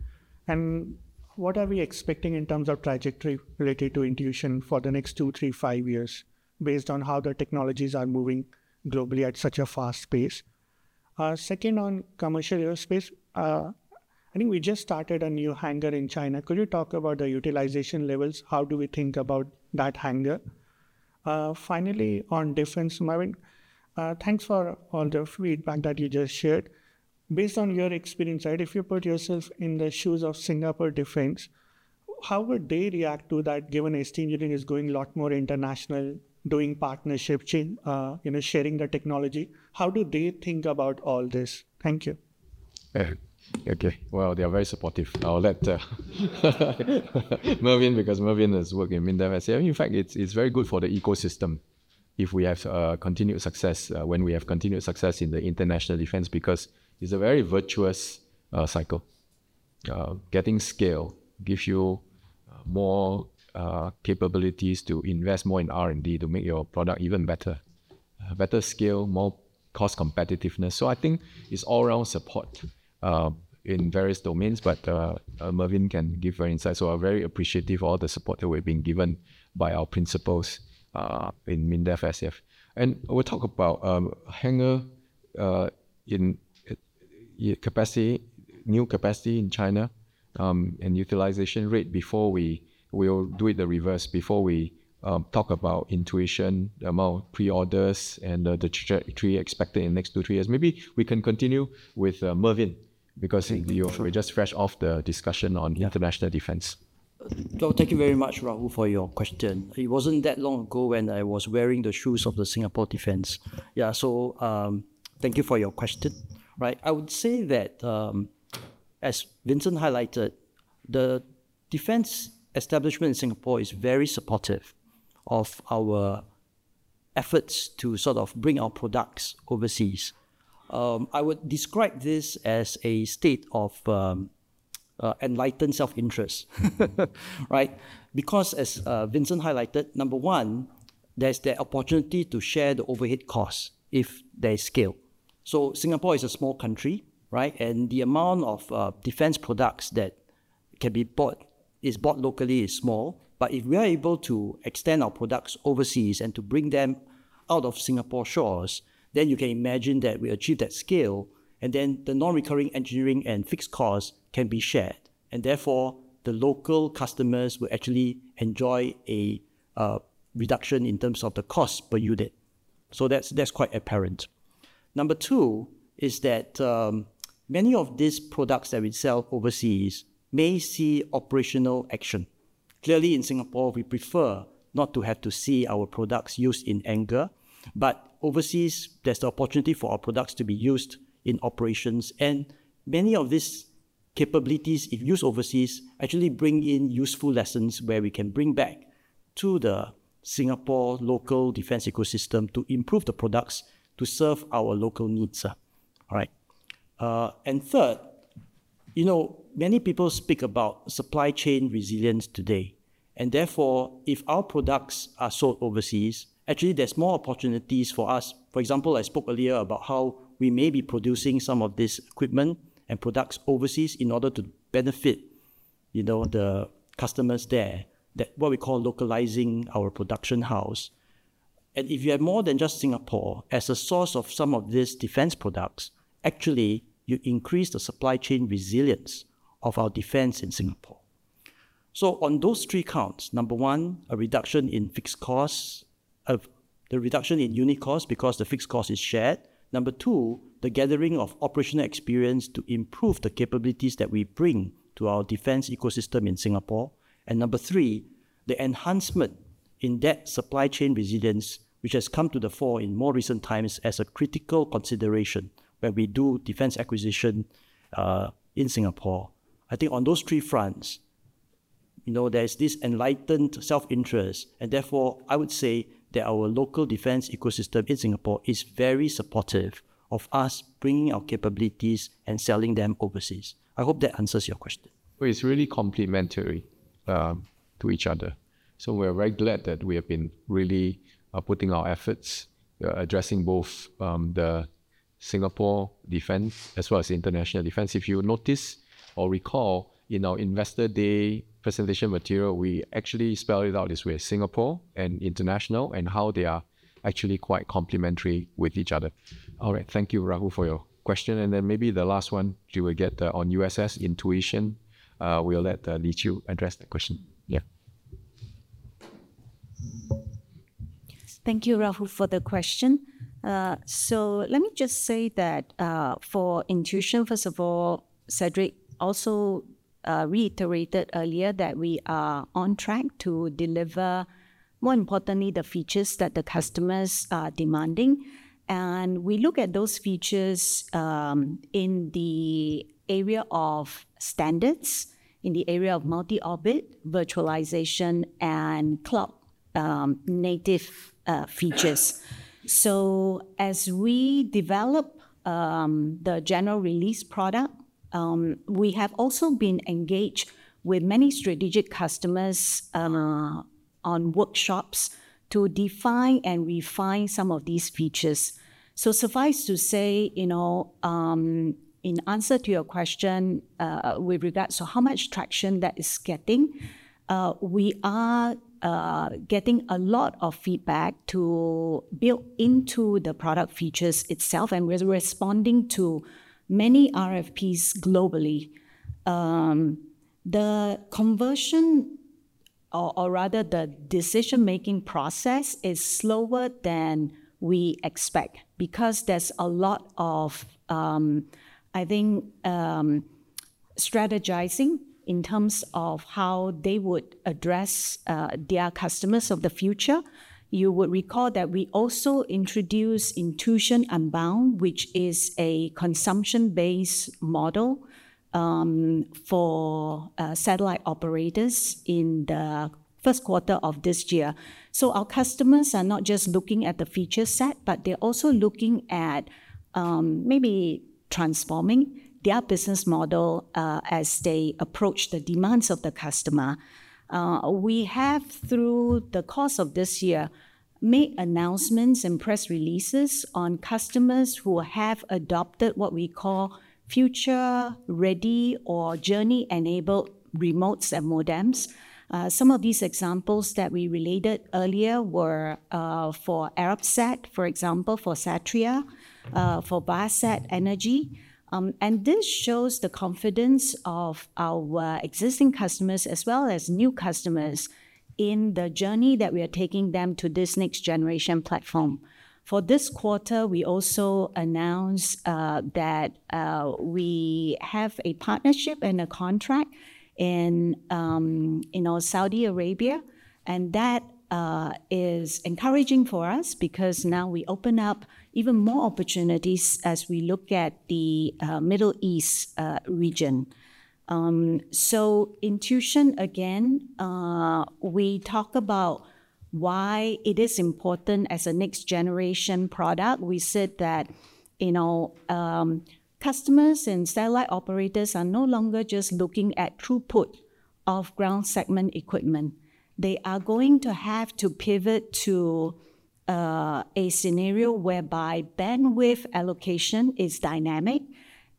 What are we expecting in terms of trajectory related to Intuition for the next two, three, five years, based on how the technologies are moving globally at such a fast pace? Second, on Commercial Aerospace, I think we just started a new hangar in China. Could you talk about the utilization levels? How do we think about that hangar? Finally, on Defense, Mervyn, thanks for all the feedback that you just shared. Based on your experience, if you put yourself in the shoes of Singapore Defense, how would they react to that given ST Engineering is going a lot more international, doing partnerships, sharing the technology? How do they think about all this? Thank you. Yeah, okay. They are very supportive. I'll let Mervyn, because Mervyn has worked in MINDESF, in fact, it's very good for the ecosystem if we have continued success, when we have continued success in the international defense, because it's a very virtuous cycle. Getting scale gives you more capabilities to invest more in R&D to make your product even better, better scale, more cost competitiveness. I think it's all around support in various domains, but Mervyn can give her insights. I'm very appreciative of all the support that we're being given by our principals in MINDESF. We'll talk about hangar capacity, new capacity in China, and utilization rate before we will do it the reverse, before we talk about Intuition, the amount of pre-orders, and the trajectory expected in the next two or three years. Maybe we can continue with Mervyn, because we just fresh off the discussion on international defense. Thank you very much, Rahul, for your question. It wasn't that long ago when I was wearing the shoes of the Singapore Defense. Thank you for your question. I would say that, as Vincent highlighted, the defense establishment in Singapore is very supportive of our efforts to sort of bring our products overseas. I would describe this as a state of enlightened self-interest, right? Because, as Vincent highlighted, number one, there's the opportunity to share the overhead costs if there's scale. Singapore is a small country, right? The amount of defense products that can be bought locally is small. If we are able to extend our products overseas and to bring them out of Singapore shores, then you can imagine that we achieve that scale, and then the non-recurring engineering and fixed costs can be shared. Therefore, the local customers will actually enjoy a reduction in terms of the cost per unit. That's quite apparent. Number two is that many of these products that we sell overseas may see operational action. Clearly, in Singapore, we prefer not to have to see our products used in anger, but overseas, there's the opportunity for our products to be used in operations. Many of these capabilities, if used overseas, actually bring in useful lessons where we can bring back to the Singapore local defense ecosystem to improve the products to serve our local needs. Third, many people speak about supply chain resilience today. Therefore, if our products are sold overseas, actually, there's more opportunities for us. For example, I spoke earlier about how we may be producing some of this equipment and products overseas in order to benefit the customers there, that what we call localizing our production house. If you have more than just Singapore as a source of some of these defense products, actually, you increase the supply chain resilience of our defense in Singapore. On those three counts, number one, a reduction in fixed costs, the reduction in unit costs because the fixed cost is shared. Number two, the gathering of operational experience to improve the capabilities that we bring to our defense ecosystem in Singapore. Number three, the enhancement in that supply chain resilience, which has come to the fore in more recent times as a critical consideration when we do defense acquisition in Singapore. I think on those three fronts, there's this enlightened self-interest. Therefore, I would say that our local defense ecosystem in Singapore is very supportive of us bringing our capabilities and selling them overseas. I hope that answers your question. It is really complementary to each other. We are very glad that we have been really putting our efforts addressing both the Singapore defense as well as the international defense. If you notice or recall in our investor day presentation material, we actually spell it out this way: Singapore and international, and how they are actually quite complementary with each other. Thank you, Rahul, for your question. Maybe the last one, you will get on USS Intuition. We will let Lee Chew address that question. Yeah. Thank you, Rahul, for the question. Let me just say that for Intuition, first of all, Cedric also reiterated earlier that we are on track to deliver, more importantly, the features that the customers are demanding. We look at those features in the area of standards, in the area of multi-orbit, virtualization, and cloud-native features. As we develop the general release product, we have also been engaged with many strategic customers on workshops to define and refine some of these features. Suffice to say, in answer to your question with regards to how much traction that is getting, we are getting a lot of feedback to build into the product features itself, and we're responding to many RFPs globally. The conversion, or rather the decision-making process, is slower than we expect because there's a lot of strategizing in terms of how they would address their customers of the future. You would recall that we also introduced Intuition Unbound, which is a consumption-based model for satellite operators in the first quarter of this year. Our customers are not just looking at the feature set, but they're also looking at maybe transforming their business model as they approach the demands of the customer. We have, through the course of this year, made announcements and press releases on customers who have adopted what we call future-ready or journey-enabled remotes and modems. Some of these examples that we related earlier were for Arabsat, for example, for Satria, for Basset Energy. This shows the confidence of our existing customers as well as new customers in the journey that we are taking them to this next-generation platform. For this quarter, we also announced that we have a partnership and a contract in Saudi Arabia. That is encouraging for us because now we open up even more opportunities as we look at the Middle East region. Intuition, again, we talk about why it is important as a next-generation product. We said that customers and satellite operators are no longer just looking at throughput of ground segment equipment. They are going to have to pivot to a scenario whereby bandwidth allocation is dynamic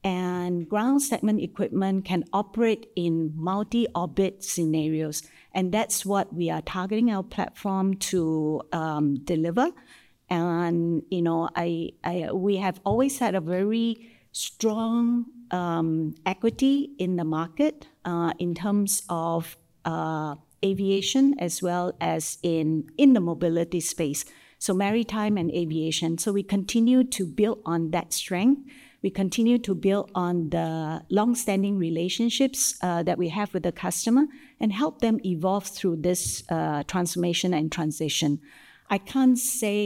and ground segment equipment can operate in multi-orbit scenarios. That's what we are targeting our platform to deliver. We have always had a very strong equity in the market in terms of aviation as well as in the mobility space, so maritime and aviation. We continue to build on that strength. We continue to build on the longstanding relationships that we have with the customer and help them evolve through this transformation and transition. I can't say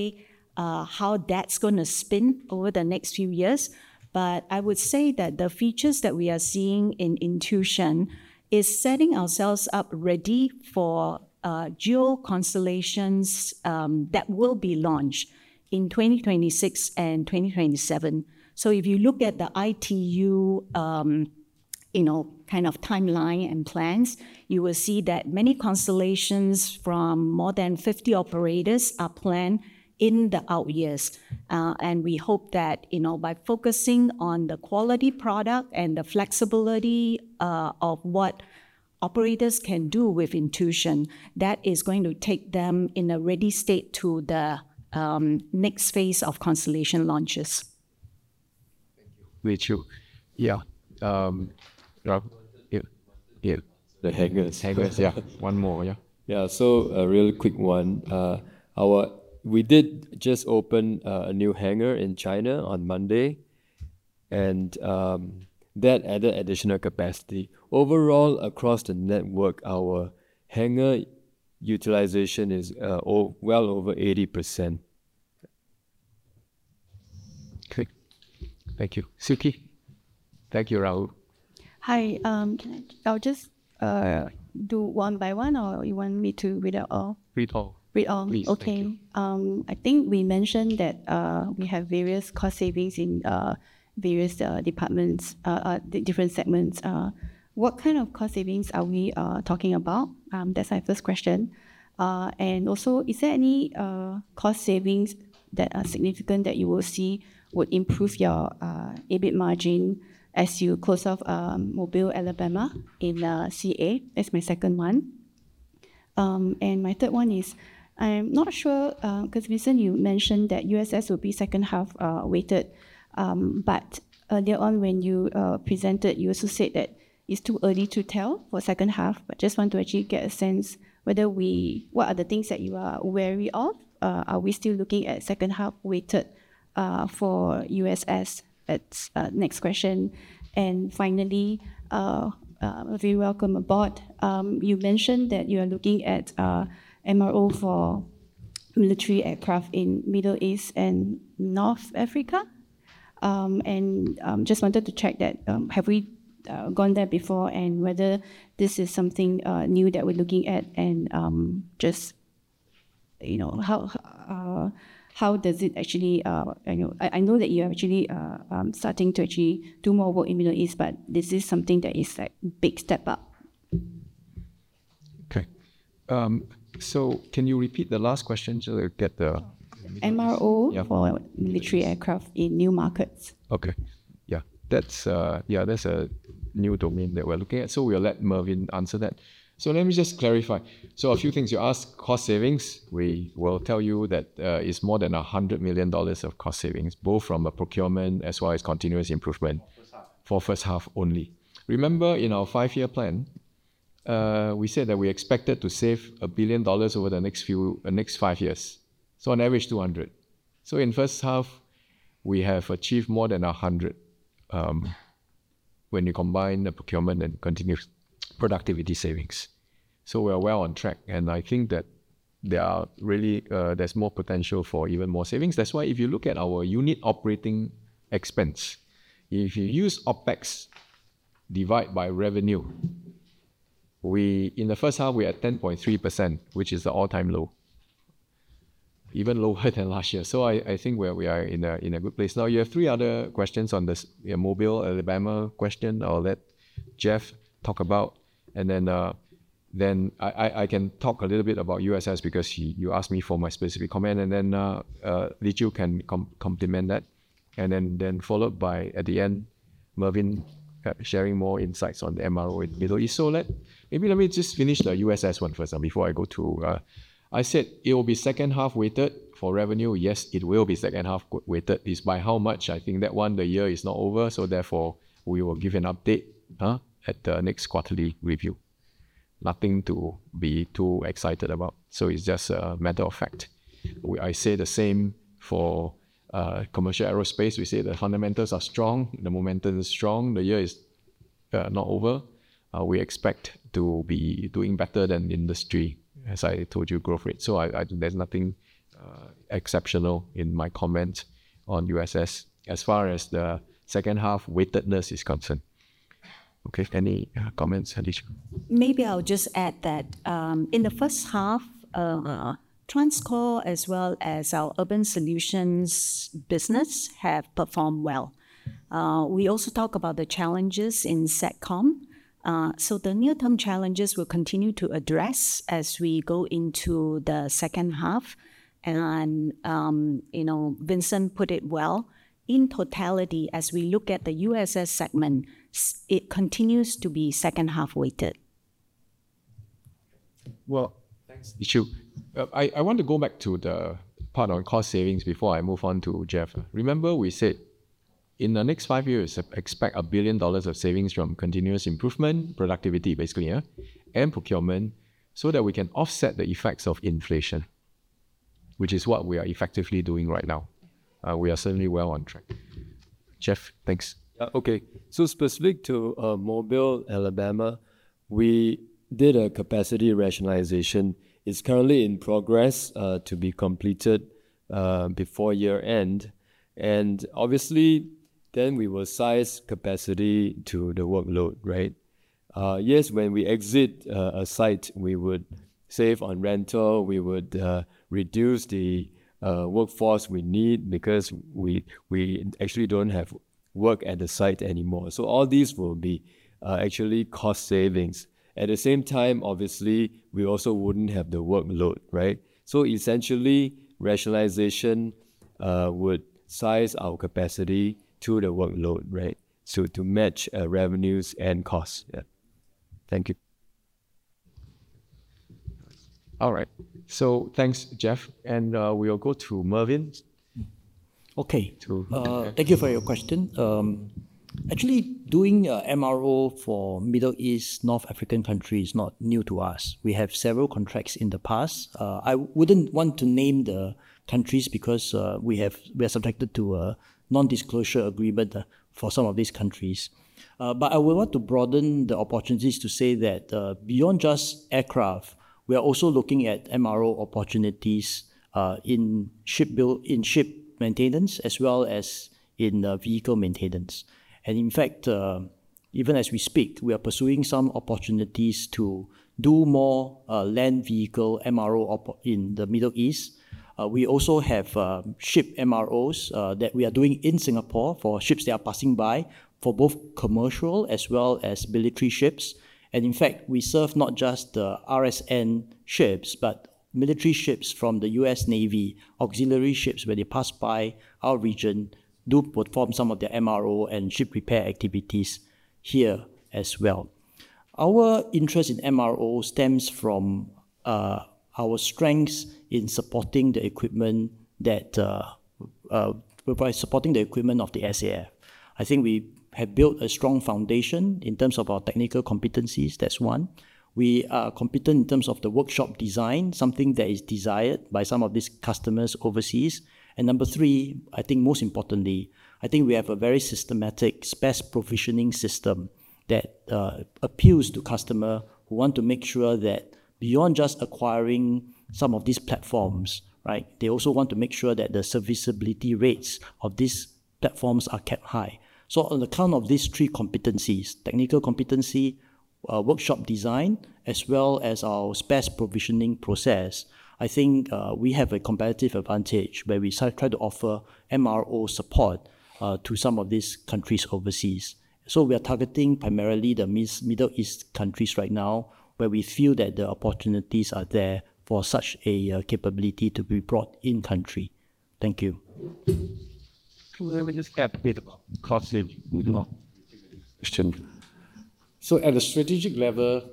how that's going to spin over the next few years, but I would say that the features that we are seeing in Intuition is setting ourselves up ready for dual constellations that will be launched in 2026 and 2027. If you look at the ITU timeline and plans, you will see that many constellations from more than 50 operators are planned in the out years. We hope that, by focusing on the quality product and the flexibility of what operators can do with Intuition, that is going to take them in a ready state to the next phase of constellation launches. Me too. Yeah. One more. Yeah. Yeah, a real quick one. We did just open a new hangar in China on Monday, and that added additional capacity. Overall, across the network, our hangar utilization is well over 80%. Okay. Thank you. Suki. Thank you, Rahul. Can I just do one by one, or do you want me to read it all? Read all. Read all. Okay. I think we mentioned that we have various cost savings in various departments, different segments. What kind of cost savings are we talking about? That's my first question. Also, is there any cost savings that are significant that you will see would improve your EBIT margin as you close off Mobile Alabama in CA? That's my second one. My third one is, I'm not sure, because Vincent, you mentioned that USS will be second half weighted. Earlier on, when you presented, you also said that it's too early to tell for second half, but just want to actually get a sense whether we, what are the things that you are wary of? Are we still looking at second half weighted for USS? That's the next question. Finally, very welcome aboard. You mentioned that you are looking at MRO for military aircraft in Middle East and North Africa. Just wanted to check that, have we gone there before and whether this is something new that we're looking at and just, you know, how does it actually, I know that you're actually starting to actually do more work in Middle East, but this is something that is a big step up. Okay, can you repeat the last question so we get the... MRO for military aircraft in new markets. Okay. That's a new domain that we're looking at. We will let Mervyn answer that. Let me just clarify. A few things you asked, cost savings. We will tell you that it's more than 100 million dollars of cost savings, both from procurement as well as continuous improvement for first half only. Remember, in our five-year plan, we said that we expected to save 1 billion dollars over the next five years. On average, 200 million. In first half, we have achieved more than 100 million when you combine the procurement and continuous productivity savings. We are well on track. I think that there is more potential for even more savings. If you look at our unit operating expense, if you use OpEx divided by revenue, in the first half, we are at 10.3%, which is the all-time low, even lower than last year. I think we are in a good place. You have three other questions on this Mobile Alabama question. I'll let Jeff talk about that. I can talk a little bit about USS because you asked me for my specific comment. Then Lee Chew can complement that, followed by, at the end, Mervyn sharing more insights on the MRO in Middle East. Let me just finish the USS one first before I go to... I said it will be second half weighted for revenue. Yes, it will be second half weighted. By how much, the year is not over. We will give an update at the next quarterly review. Nothing to be too excited about. It's just a matter of fact. I say the same for Commercial Aerospace. We say the fundamentals are strong. The momentum is strong. The year is not over. We expect to be doing better than industry, as I told you, growth rate. There's nothing exceptional in my comment on USS as far as the second half weightedness is concerned. Any comments Lee Chew? Maybe I'll just add that in the first half, TransCore, as well as our Urban Solutions business, have performed well. We also talk about the challenges in Satcom. The near-term challenges we'll continue to address as we go into the second half. Vincent put it well. In totality, as we look at the USS segment, it continues to be second half weighted. Thanks, Lee Chew. I want to go back to the part on cost savings before I move on to Jeff. Remember, we said in the next five years, expect 1 billion dollars of savings from continuous improvement, productivity, basically, and procurement so that we can offset the effects of inflation, which is what we are effectively doing right now. We are certainly well on track. Jeff, thanks. Okay. Specific to Mobile, Alabama, we did a capacity rationalization. It's currently in progress to be completed before year end. Obviously, we will size capacity to the workload, right? Yes, when we exit a site, we would save on rental. We would reduce the workforce we need because we actually don't have work at the site anymore. All these will be cost savings. At the same time, we also wouldn't have the workload, right? Essentially, rationalization would size our capacity to the workload to match revenues and costs. Yeah. Thank you. All right. Thanks, Jeff. We'll go through Mervyn. Okay. Thank you for your question. Actually, doing MRO for Middle East, North African country is not new to us. We have several contracts in the past. I wouldn't want to name the countries because we are subjected to a non-disclosure agreement for some of these countries. I would want to broaden the opportunities to say that beyond just aircraft, we are also looking at MRO opportunities in ship maintenance as well as in vehicle maintenance. In fact, even as we speak, we are pursuing some opportunities to do more land vehicle MRO in the Middle East. We also have ship MROs that we are doing in Singapore for ships that are passing by for both commercial as well as military ships. In fact, we serve not just the RSN ships, but military ships from the U.S. Navy, auxiliary ships when they pass by our region do perform some of the MRO and ship repair activities here as well. Our interest in MRO stems from our strengths in supporting the equipment that we're probably supporting the equipment of the SAR. I think we have built a strong foundation in terms of our technical competencies. That's one. We are competent in terms of the workshop design, something that is desired by some of these customers overseas. Number three, I think most importantly, we have a very systematic space provisioning system that appeals to customers who want to make sure that beyond just acquiring some of these platforms, they also want to make sure that the serviceability rates of these platforms are kept high. On the count of these three competencies, technical competency, workshop design, as well as our space provisioning process, I think we have a competitive advantage where we try to offer MRO support to some of these countries overseas. We are targeting primarily the Middle East countries right now where we feel that the opportunities are there for such a capability to be brought in-country. Thank you. Let me just get a bit of a closer question. At a strategic level,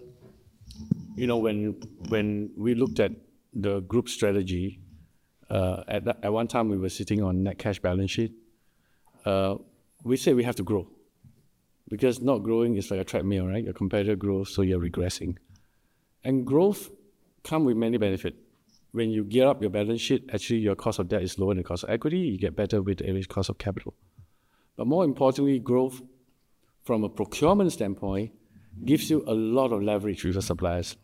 you know, when we looked at the group strategy, at one time we were sitting on net cash balance sheet, we said we have to grow. Because not growing is like a treadmill, right? Your competitor grows, so you're regressing. Growth comes with many benefits. When you gear up your balance sheet, actually your cost of debt is lower than the cost of equity, you get better with the average cost of capital. More importantly, growth from a procurement standpoint gives you a lot of leverage with your suppliers.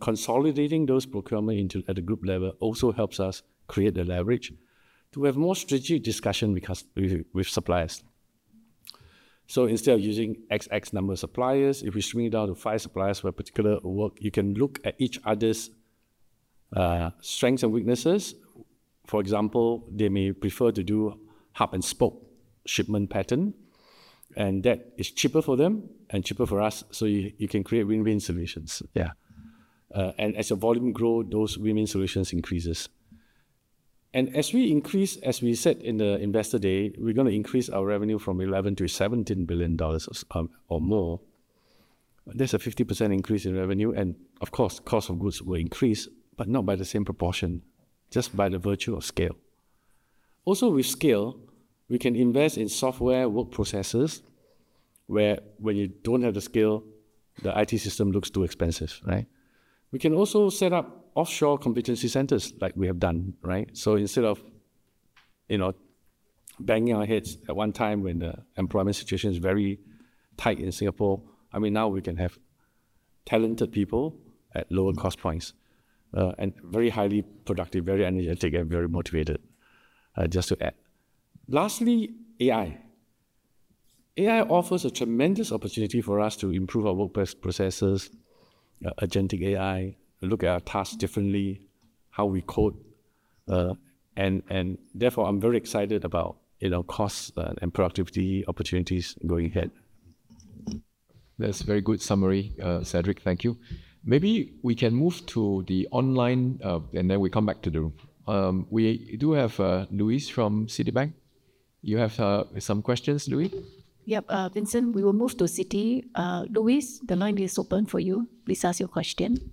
Consolidating those procurements at the group level also helps us create the leverage to have more strategic discussions with suppliers. Instead of using X number of suppliers, if we swing down to five suppliers for a particular work, you can look at each other's strengths and weaknesses. For example, they may prefer to do hub and spoke shipment pattern, and that is cheaper for them and cheaper for us. You can create win-win solutions. As your volume grows, those win-win solutions increase. As we increase, as we said in the investor day, we're going to increase our revenue from 11 billion to 17 billion dollars or more. There's a 50% increase in revenue, and of course, the cost of goods will increase, but not by the same proportion, just by the virtue of scale. Also, with scale, we can invest in software work processes where when you don't have the scale, the IT system looks too expensive, right? We can also set up offshore competency centers like we have done, right? Instead of banging our heads at one time when the employment situation is very tight in Singapore, now we can have talented people at lower cost points, and very highly productive, very energetic, and very motivated, just to add. Lastly, AI. AI offers a tremendous opportunity for us to improve our workplace processes, agentic AI, look at our tasks differently, how we code. Therefore, I'm very excited about, you know, cost and productivity opportunities going ahead. That's a very good summary, Cedric. Thank you. Maybe we can move to the online, and then we come back to the room. We do have Louis from Citibank. You have some questions, Luis? Yep, Vincent, we will move to Citi. Luis, the line is open for you. Please ask your question.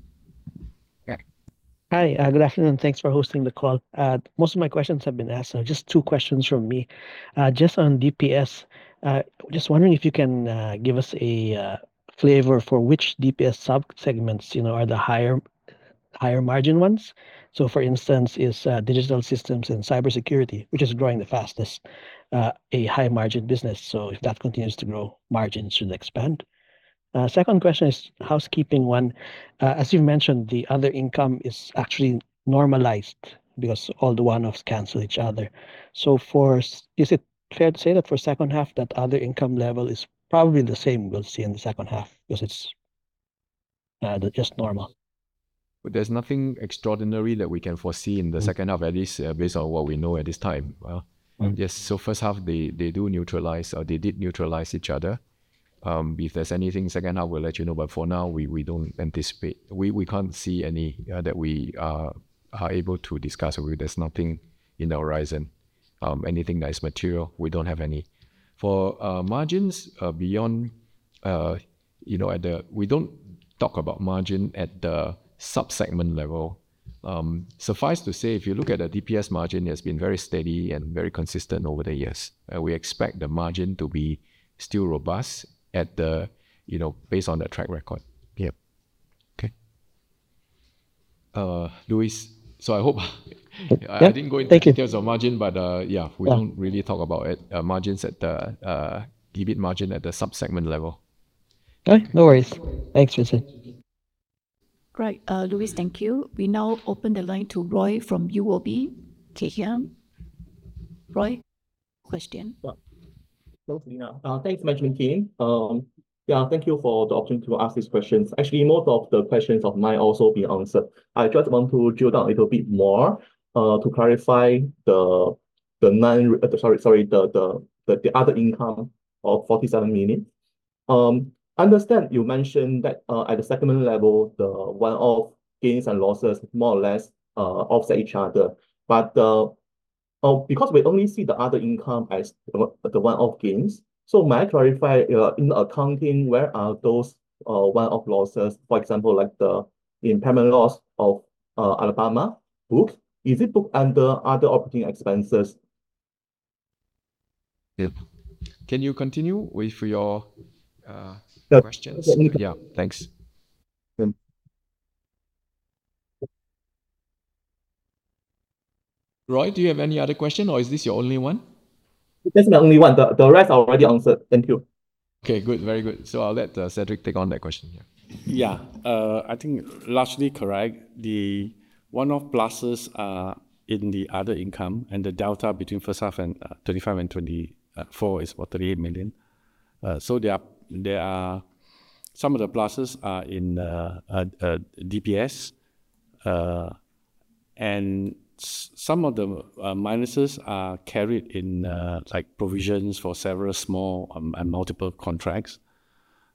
Hi, good afternoon. Thanks for hosting the call. Most of my questions have been asked. Just two questions from me. On DPS, just wondering if you can give us a flavor for which DPS subsegments are the higher margin ones. For instance, is digital systems and cybersecurity, which is growing the fastest, a high margin business? If that continues to grow, margins should expand. Second question is a housekeeping one. As you mentioned, the other income is actually normalized because all the one-offs cancel each other. Is it fair to say that for the second half, that other income level is probably the same we'll see in the second half because it's just normal? There's nothing extraordinary that we can foresee in the second half, at least based on what we know at this time. Yes, first half, they do neutralize or they did neutralize each other. If there's anything second half, we'll let you know. For now, we don't anticipate, we can't see any that we are able to discuss with you. There's nothing in the horizon. Anything that is material, we don't have any. For margins beyond, you know, we don't talk about margin at the subsegment level. Suffice to say, if you look at the DPS margin, it has been very steady and very consistent over the years. We expect the margin to be still robust at the, you know, based on the track record. Yeah. Okay, Luis, I hope I didn't go into details of margin, but yeah, we don't really talk about it. Margins at the, debit margin at the subsegment level. Okay. No worries. Thanks, Vincent. Great. Luis, thank you. We now open the line to Roy from UOB Kay Hian. Roy, question? Thanks for mentioning Qing. Thank you for the opportunity to ask these questions. Actually, most of the questions have also been answered. I just want to drill down a little bit more to clarify the nine, sorry, the other income of 47 million. I understand you mentioned that at the segment level, the one-off gains and losses more or less offset each other. Because we only see the other income as the one-off gains, may I clarify in the accounting, where are those one-off losses, for example, like the impairment loss of Alabama Booth? Is it booked under other operating expenses? Yeah, can you continue? Wait for your questions? Yeah, thanks. Roy, do you have any other questions, or is this your only one? This is my only one. The rest are already answered. Thank you. Okay, good. Very good. I'll let Cedric Foo take on that question here. Yeah, I think largely correct. The one-off losses are in the other income, and the delta between first half 2025 and 2024 is 38 million. There are some of the pluses in the DPS, and some of the minuses are carried in like provisions for several small and multiple contracts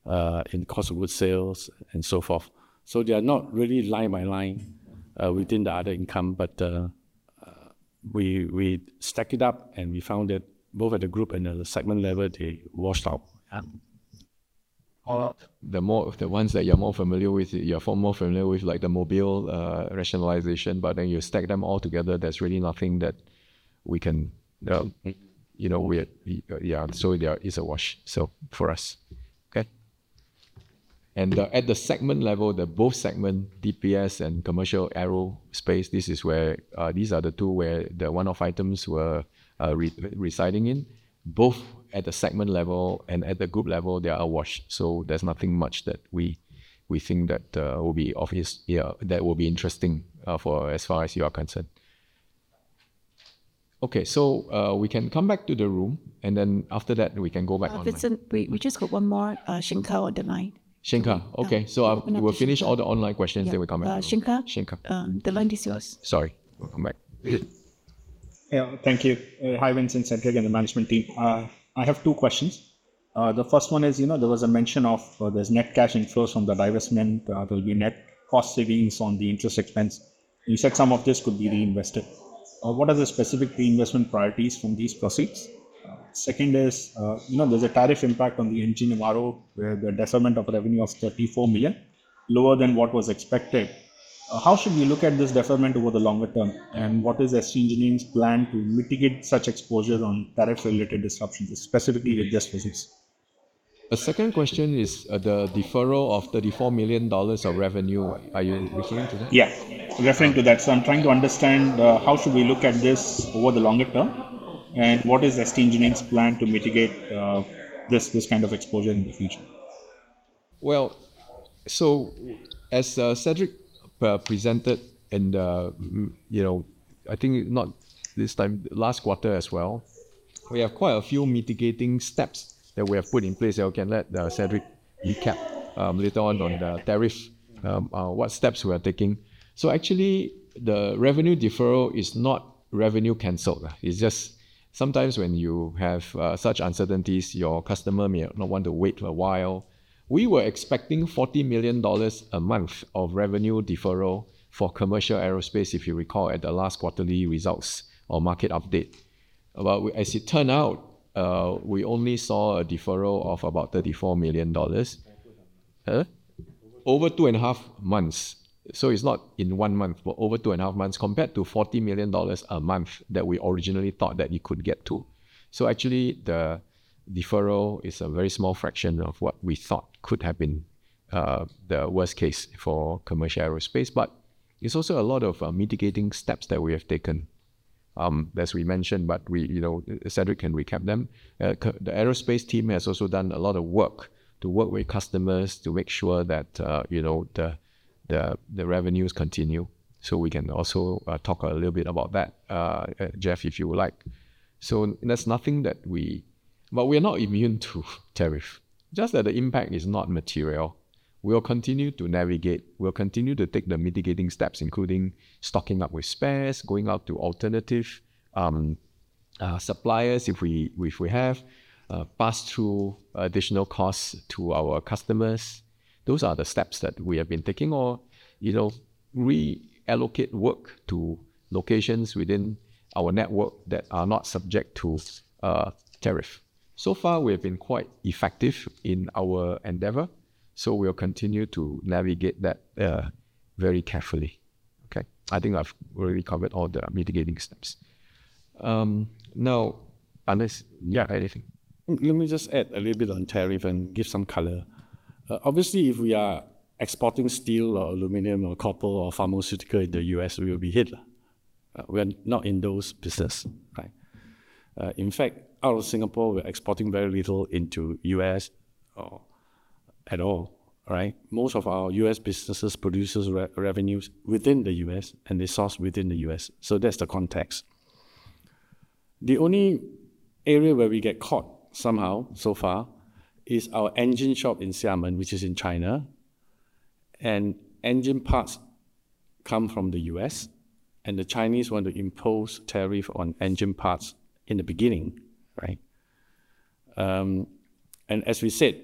in the cost of goods sold and so forth. They are not really line by line within the other income, but we stacked it up and we found that both at the group and the segment level, they washed out. All. The ones that you're more familiar with, like the portfolio rationalization, when you stack them all together, there's really nothing that we can, you know, yeah, so there is a wash for us. At the segment level, both DPS and Commercial Aerospace, these are the two where the one-off items were residing in. Both at the segment level and at the group level, they are washed. There's nothing much that we think will be of interest, yeah, that will be interesting as far as you are concerned. We can come back to the room, and after that, we can go back online. Vincent, we just got one more. Shekhar on the line. Okay, so we'll finish all the online questions, then we come back. Shekhar. Shekhar. The line is yours. Sorry, we'll come back. Thank you. Hi, Vincent, Cedric, and the management team. I have two questions. The first one is, you know, there was a mention of there's net cash inflows from the divestment. There'll be net cost savings on the interest expense. You said some of this could be reinvested. What are the specific reinvestment priorities from these proceeds? The second is, you know, there's a tariff impact on the engine tomorrow where the deferment of revenue of 34 million is lower than what was expected. How should we look at this deferment over the longer term? What is the engineering's plan to mitigate such exposure on tariff-related disruptions, specifically with this business? The second question is the deferral of 34 million dollars of revenue. Are you referring to that? Referring to that, I'm trying to understand how should we look at this over the longer term? What is ST Engineering's plan to mitigate this kind of exposure in the future? As Cedric presented in the, you know, I think not this time, last quarter as well, we have quite a few mitigating steps that we have put in place. I can let Cedric recap later on the tariff, what steps we are taking. Actually, the revenue deferral is not revenue cancelled. It's just sometimes when you have such uncertainties, your customer may not want to wait a while. We were expecting 40 million dollars a month of revenue deferral for Commercial Aerospace, if you recall, at the last quarterly results or market update. As it turned out, we only saw a deferral of about 34 million dollars over two and a half months. It's not in one month, but over two and a half months compared to 40 million dollars a month that we originally thought that it could get to. The deferral is a very small fraction of what we thought could have been the worst case for Commercial Aerospace. It's also a lot of mitigating steps that we have taken, as we mentioned, but Cedric can recap them. The aerospace team has also done a lot of work to work with customers to make sure that the revenues continue. We can also talk a little bit about that, Jeff, if you would like. There's nothing that we, but we are not immune to tariff. Just that the impact is not material. We'll continue to navigate. We'll continue to take the mitigating steps, including stocking up with spares, going out to alternative suppliers if we have, pass through additional costs to our customers. Those are the steps that we have been taking or reallocate work to locations within our network that are not subject to tariff. So far, we have been quite effective in our endeavor. We'll continue to navigate that very carefully. I think I've really covered all the mitigating steps. Now, unless you have anything. Let me just add a little bit on tariff and give some color. Obviously, if we are exporting steel or aluminum or copper or pharmaceutical in the U.S., we will be hit. We are not in those businesses. In fact, out of Singapore, we're exporting very little into the U.S. at all. Right? Most of our U.S. businesses produce revenues within the U.S. and they source within the U.S. That's the context. The only area where we get caught somehow so far is our engine shop in Xiamen, which is in China. Engine parts come from the U.S., and the Chinese want to impose tariff on engine parts in the beginning. As we said,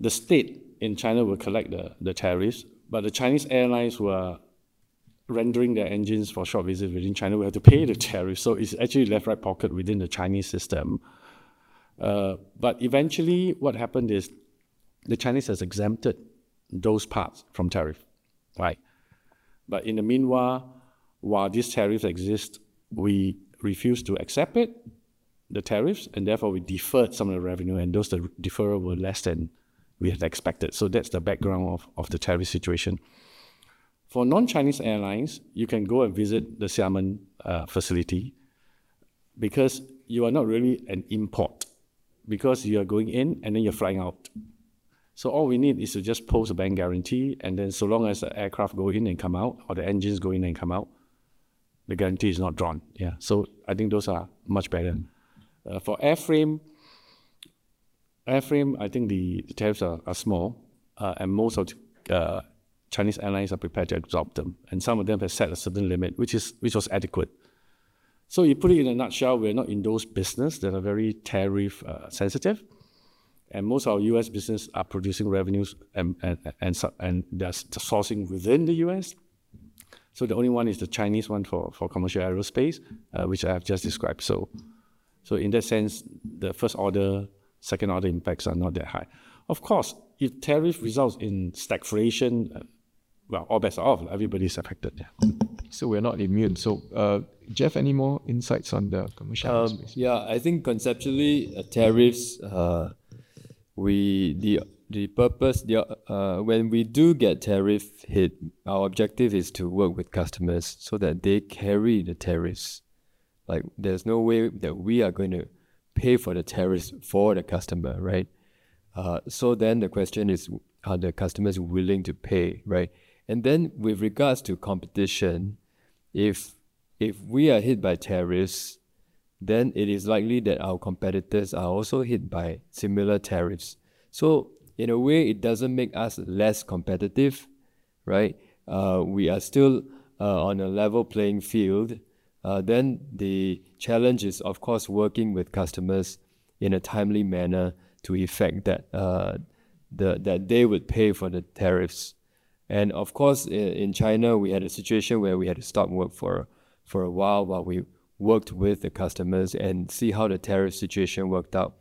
the state in China will collect the tariffs, but the Chinese airlines were rendering their engines for short visits within China. We had to pay the tariff. It's actually left right pocket within the Chinese system. Eventually, what happened is the Chinese have exempted those parts from tariff. In the meanwhile, while these tariffs exist, we refuse to accept the tariffs, and therefore we deferred some of the revenue, and those deferrals were less than we had expected. That's the background of the tariff situation. For non-Chinese airlines, you can go and visit the Xiamen facility because you are not really an import because you are going in and then you're flying out. All we need is to just post a bank guarantee, and then so long as the aircraft go in and come out or the engines go in and come out, the guarantee is not drawn. I think those are much better. For airframe, I think the tariffs are small, and most of the Chinese airlines are prepared to absorb them. Some of them have set a certain limit, which was adequate. To put it in a nutshell, we're not in those businesses that are very tariff-sensitive. Most of our U.S. businesses are producing revenues and just sourcing within the U.S. The only one is the Chinese one for commercial aerospace, which I have just described. In that sense, the first order, second order impacts are not that high. Of course, if tariff results in stagflation, all bets are off. Everybody's affected. We're not immune. Jeff, any more insights on the commercial aerospace? Yeah, I think conceptually, tariffs, the purpose, when we do get tariff hit, our objective is to work with customers so that they carry the tariffs. There's no way that we are going to pay for the tariffs for the customer, right? The question is, are the customers willing to pay, right? With regards to competition, if we are hit by tariffs, it is likely that our competitors are also hit by similar tariffs. In a way, it doesn't make us less competitive, right? We are still on a level playing field. The challenge is, of course, working with customers in a timely manner to effect that they would pay for the tariffs. Of course, in China, we had a situation where we had to stop work for a while while we worked with the customers and see how the tariff situation worked out.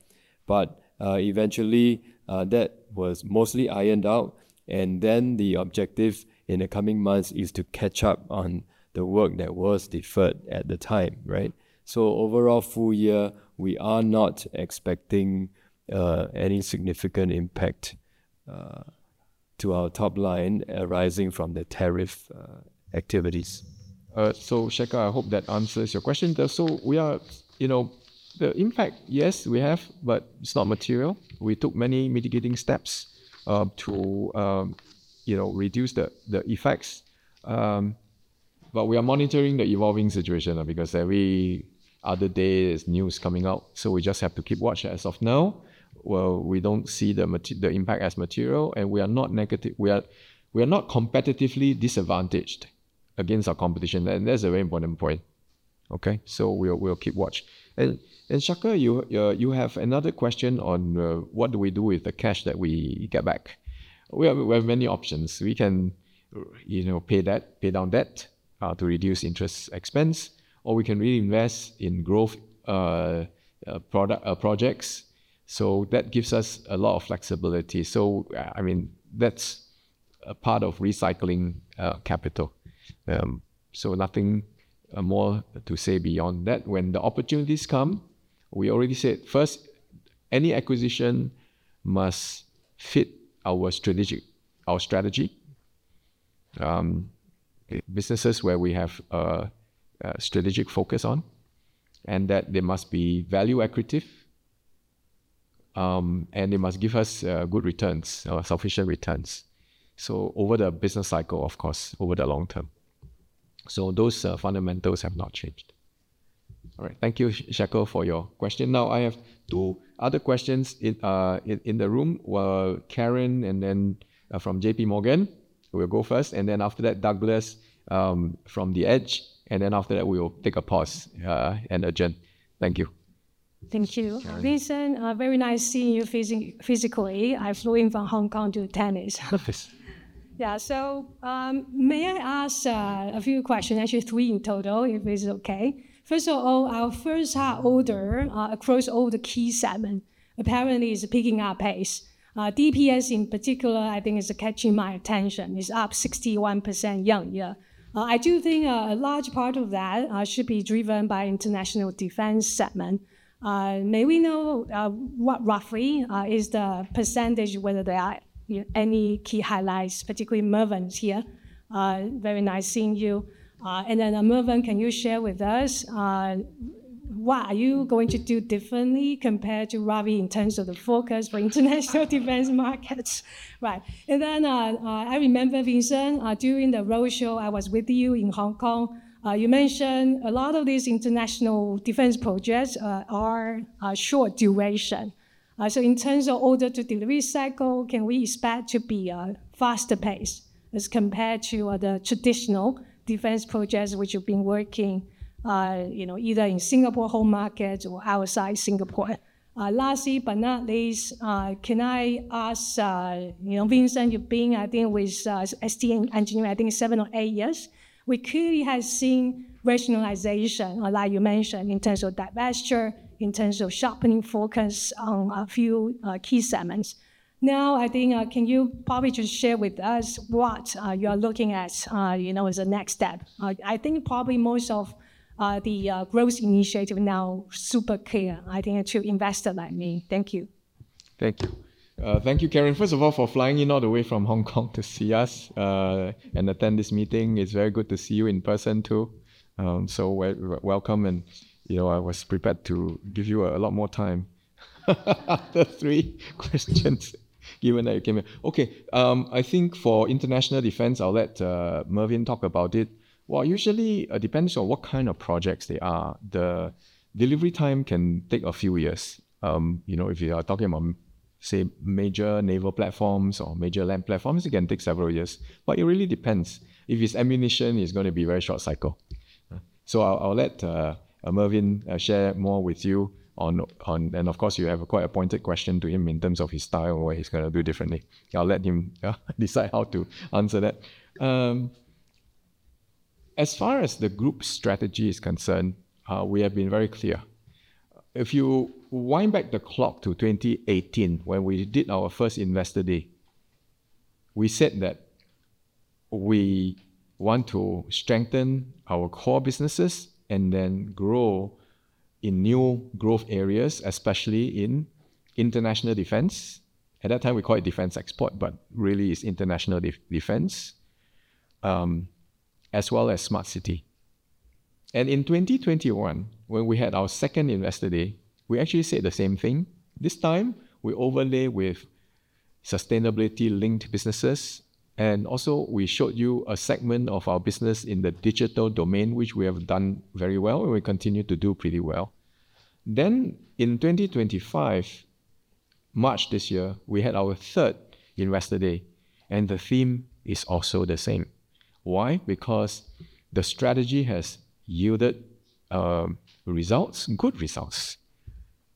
Eventually, that was mostly ironed out. The objective in the coming months is to catch up on the work that was deferred at the time, right? Overall, full year, we are not expecting any significant impact to our top line arising from the tariff activities. Shekhar, I hope that answers your question. The impact, yes, we have, but it's not material. We took many mitigating steps to reduce the effects. We are monitoring the evolving situation because every other day there's news coming out. We just have to keep watching as of now. We don't see the impact as material, and we are not negative. We are not competitively disadvantaged against our competition, and that's a very important point. We'll keep watching. Shekhar, you have another question on what do we do with the cash that we get back. We have many options. We can pay that, pay down debt to reduce interest expense, or we can reinvest in growth projects. That gives us a lot of flexibility. That's a part of recycling capital. Nothing more to say beyond that. When the opportunities come, we already said first, any acquisition must fit our strategy, businesses where we have a strategic focus on, and they must be value accurate, and they must give us good returns or sufficient returns over the business cycle, of course, over the long term. Those fundamentals have not changed. Thank you, Shekhar, for your question. Now, I have two other questions in the room. Karen and then from JP Morgan, we'll go first. After that, Douglas from The Edge. After that, we'll take a pause and adjourn. Thank you. Thank you. Vincent, very nice seeing you physically. I flew in from Hong Kong to attend this. May I ask a few questions, actually three in total, if it's okay? First of all, our first half order across all the key segments apparently is picking up pace. DPS in particular, I think, is catching my attention. It's up 61%. I do think a large part of that should be driven by the international defense segment. May we know what roughly is the percentage, whether there are any key highlights, particularly Mervyn's here? Very nice seeing you. Mervyn, can you share with us what you are going to do differently compared to Ravi in terms of the focus for international defense markets? I remember, Vincent, during the roadshow, I was with you in Hong Kong. You mentioned a lot of these international defense projects are short duration. In terms of order to delivery cycle, can we expect to be faster paced as compared to the traditional defense projects which have been working either in Singapore home markets or outside Singapore? Lastly, but not least, can I ask, Vincent, you've been, I think, with ST Engineering, I think, seven or eight years. We clearly have seen rationalization, like you mentioned, in terms of divestment, in terms of sharpening focus on a few key segments. Now, can you probably just share with us what you are looking at as a next step? I think probably most of the growth initiative now is super clear, I think, to investors like me. Thank you. Thank you. Thank you, Karen. First of all, for flying in all the way from Hong Kong to see us and attend this meeting. It's very good to see you in person too. Welcome. I was prepared to give you a lot more time for three questions given that you came in. I think for international defense, I'll let Mervyn talk about it. Usually, it depends on what kind of projects they are. The delivery time can take a few years. If you are talking about, say, major naval platforms or major land platforms, it can take several years. It really depends. If it's munitions, it's going to be a very short cycle. I'll let Mervyn share more with you, and of course, you have a quite pointed question to him in terms of his style and what he's going to do differently. I'll let him decide how to answer that. As far as the group strategy is concerned, we have been very clear. If you wind back the clock to 2018, when we did our first investor day, we said that we want to strengthen our core businesses and then grow in new growth areas, especially in international defense. At that time, we called it defense export, but really, it's international defense, as well as smart city. In 2021, when we had our second investor day, we actually said the same thing. This time, we overlay with sustainability-linked businesses. We also showed you a segment of our business in the digital domain, which we have done very well and we continue to do pretty well. In 2025, March this year, we had our third investor day, and the theme is also the same. Why? Because the strategy has yielded results, good results.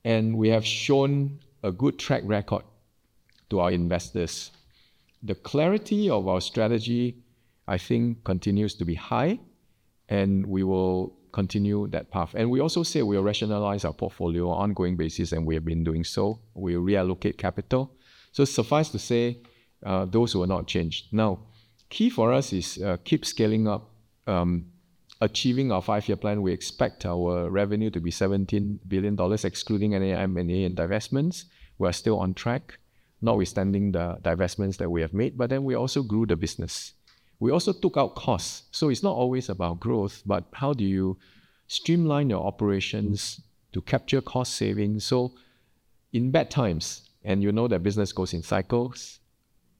We have shown a good track record to our investors. The clarity of our strategy, I think, continues to be high, and we will continue that path. We also say we will rationalize our portfolio on an ongoing basis, and we have been doing so. We reallocate capital. Suffice to say, those will not change. Key for us is keep scaling up, achieving our five-year plan. We expect our revenue to be 17 billion dollars, excluding any M&A and divestments. We are still on track, notwithstanding the divestments that we have made. We also grew the business. We also took out costs. It's not always about growth, but how do you streamline your operations to capture cost savings? In bad times, and you know that business goes in cycles,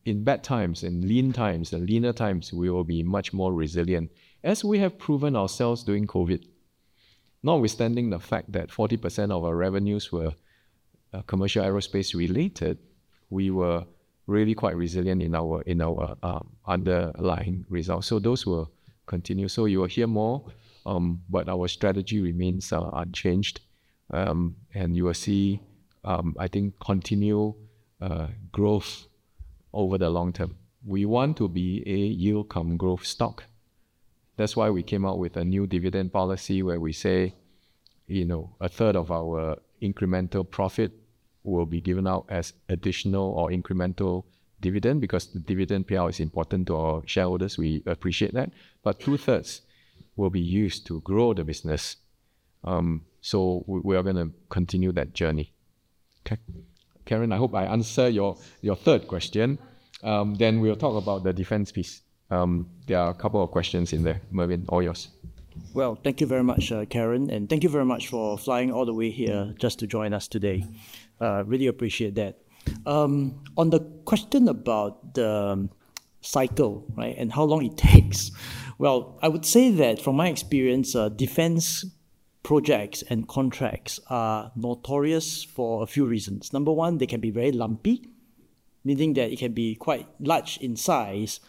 in bad times and lean times and leaner times, we will be much more resilient, as we have proven ourselves during COVID, notwithstanding the fact that 40% of our revenues were Commercial Aerospace related. We were really quite resilient in our underlying results. Those will continue. You will hear more, but our strategy remains unchanged. You will see, I think, continual growth over the long term. We want to be a yield-come-growth stock. That's why we came out with a new dividend policy where we say, you know, a third of our incremental profit will be given out as additional or incremental dividend because the dividend payout is important to our shareholders. We appreciate that. Two-thirds will be used to grow the business. We are going to continue that journey. Karen, I hope I answered your third question. We'll talk about the defense piece. There are a couple of questions in there. Mervyn, all yours. Thank you very much, Karen, and thank you very much for flying all the way here just to join us today. Really appreciate that. On the question about the cycle, right, and how long it takes, I would say that from my experience, defense projects and contracts are notorious for a few reasons. Number one, they can be very lumpy, meaning that it can be quite large in size.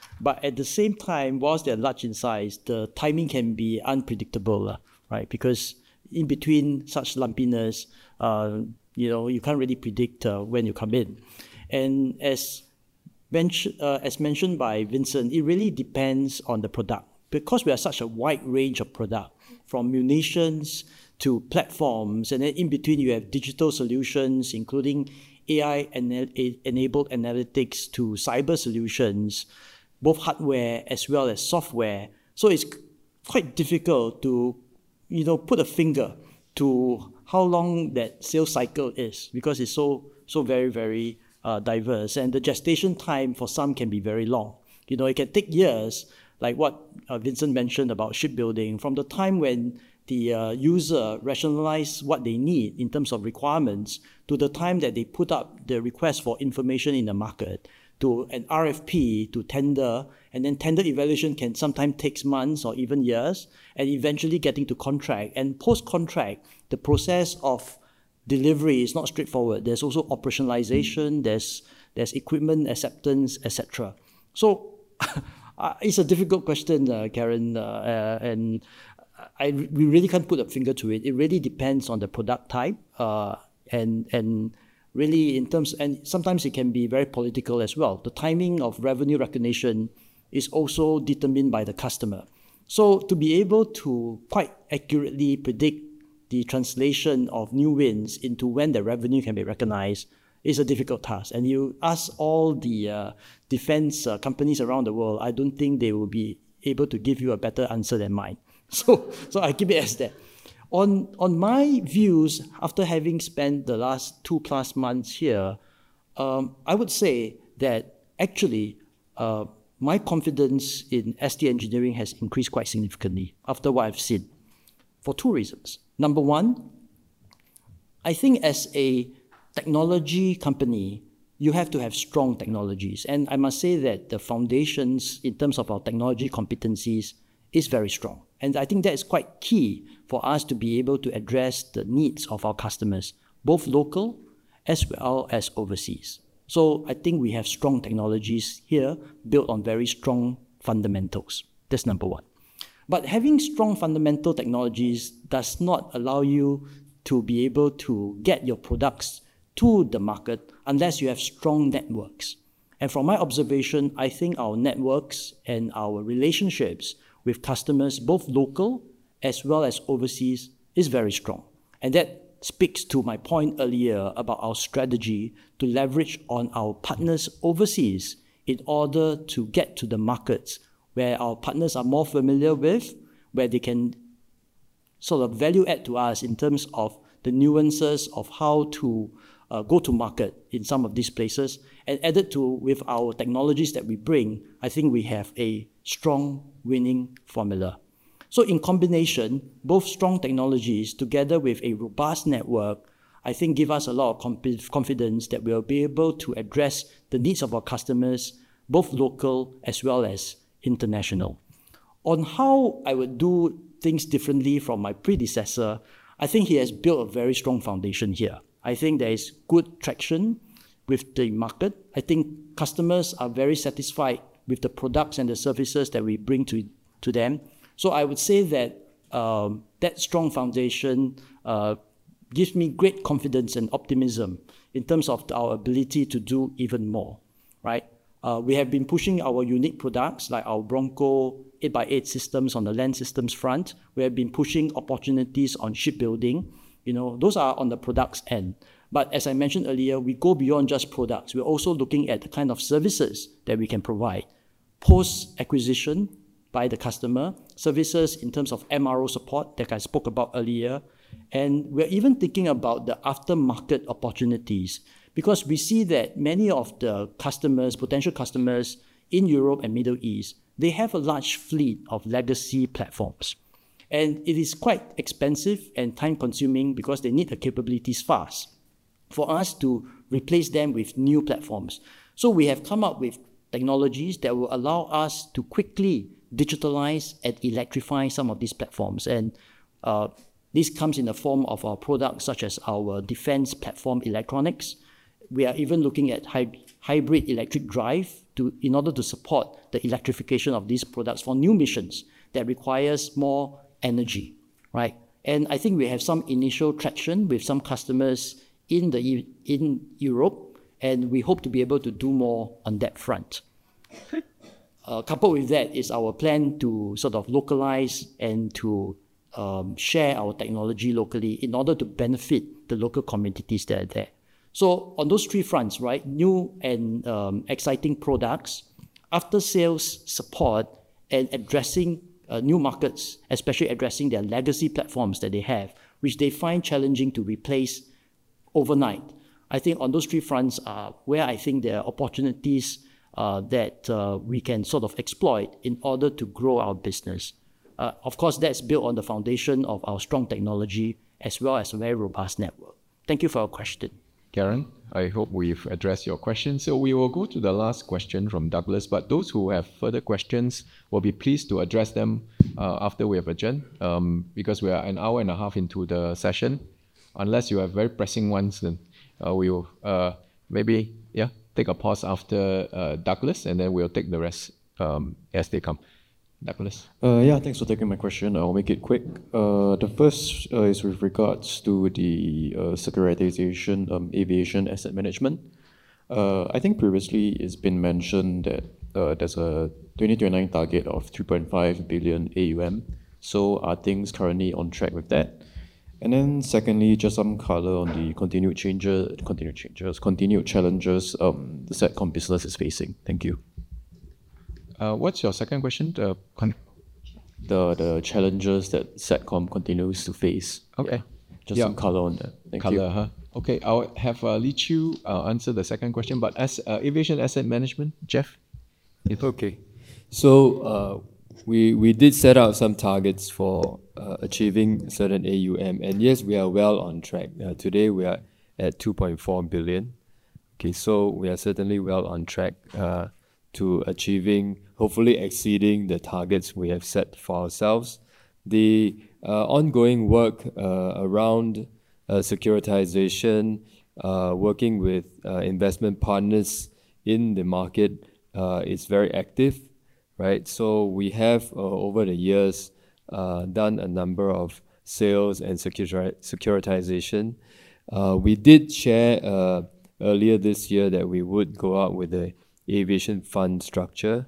At the same time, whilst they're large in size, the timing can be unpredictable, right? Because in between such lumpiness, you can't really predict when you come in. As mentioned by Vincent, it really depends on the product because we have such a wide range of products from munitions to platforms. In between, you have digital solutions, including AI-enabled analytics to cyber solutions, both hardware as well as software. It's quite difficult to put a finger to how long that sales cycle is because it's so, so very, very diverse. The gestation time for some can be very long. It can take years, like what Vincent mentioned about shipbuilding, from the time when the user rationalizes what they need in terms of requirements to the time that they put up the request for information in the market to an RFP to tender. Tender evaluation can sometimes take months or even years. Eventually getting to contract and post-contract, the process of delivery is not straightforward. There's also operationalization. There's equipment acceptance, etc. It's a difficult question, Karen. We really can't put a finger to it. It really depends on the product type. In terms, and sometimes it can be very political as well. The timing of revenue recognition is also determined by the customer. To be able to quite accurately predict the translation of new wins into when the revenue can be recognized is a difficult task. You ask all the defense companies around the world, I don't think they will be able to give you a better answer than mine. I keep it as that. On my views, after having spent the last two-plus months here, I would say that actually, my confidence in ST Engineering has increased quite significantly after what I've seen for two reasons. Number one, I think as a technology company, you have to have strong technologies. I must say that the foundations in terms of our technology competencies are very strong. I think that is quite key for us to be able to address the needs of our customers, both local as well as overseas. I think we have strong technologies here built on very strong fundamentals. That's number one. Having strong fundamental technologies does not allow you to be able to get your products to the market unless you have strong networks. From my observation, I think our networks and our relationships with customers, both local as well as overseas, are very strong. That speaks to my point earlier about our strategy to leverage on our partners overseas in order to get to the markets where our partners are more familiar with, where they can sort of value add to us in terms of the nuances of how to go to market in some of these places. Added to our technologies that we bring, I think we have a strong winning formula. In combination, both strong technologies together with a robust network give us a lot of confidence that we'll be able to address the needs of our customers, both local as well as international. On how I would do things differently from my predecessor, I think he has built a very strong foundation here. There is good traction with the market. I think customers are very satisfied with the products and the services that we bring to them. I would say that strong foundation gives me great confidence and optimism in terms of our ability to do even more, right? We have been pushing our unique products like our Bronco 8x8 systems on the land systems front. We have been pushing opportunities on shipbuilding. Those are on the products end. As I mentioned earlier, we go beyond just products. We're also looking at the kind of services that we can provide post-acquisition by the customer, services in terms of MRO support that I spoke about earlier. We're even thinking about the aftermarket opportunities because we see that many of the customers, potential customers in Europe and the Middle East, have a large fleet of legacy platforms. It is quite expensive and time-consuming because they need the capabilities fast for us to replace them with new platforms. We have come up with technologies that will allow us to quickly digitalize and electrify some of these platforms. This comes in the form of our products such as our defense platform electronics. We are even looking at hybrid electric drive in order to support the electrification of these products for new missions that require more energy, right? I think we have some initial traction with some customers in Europe, and we hope to be able to do more on that front. Coupled with that is our plan to sort of localize and to share our technology locally in order to benefit the local communities that are there. On those three fronts, new and exciting products, after-sales support, and addressing new markets, especially addressing their legacy platforms that they have, which they find challenging to replace overnight. I think on those three fronts are where I think there are opportunities that we can sort of exploit in order to grow our business. Of course, that's built on the foundation of our strong technology as well as a very robust network. Thank you for your question. Karen, I hope we've addressed your question. We will go to the last question from Douglas. Those who have further questions, we will be pleased to address them after we have adjourned because we are an hour and a half into the session. Unless you have very pressing ones, we will maybe take a pause after Douglas and then take the rest as they come. Douglas? Yeah, thanks for taking my question. I'll make it quick. The first is with regards to the securitization of aviation asset management. I think previously it's been mentioned that there's a 2029 target of 3.5 billion AUM. Are things currently on track with that? Secondly, just some color on the continued challenges the Satcom business is facing. Thank you. What's your second question? The challenges that Satcom continues to face. Okay. Just some color on there. Okay, I'll have Lee Chew answer the second question, but as aviation asset management, Jeff? It's okay. We did set out some targets for achieving certain AUM, and yes, we are well on track. Today, we are at 2.4 billion. We are certainly well on track to achieving, hopefully exceeding, the targets we have set for ourselves. The ongoing work around securitization, working with investment partners in the market, is very active, right? We have over the years done a number of sales and securitization. We did share earlier this year that we would go out with an aviation fund structure,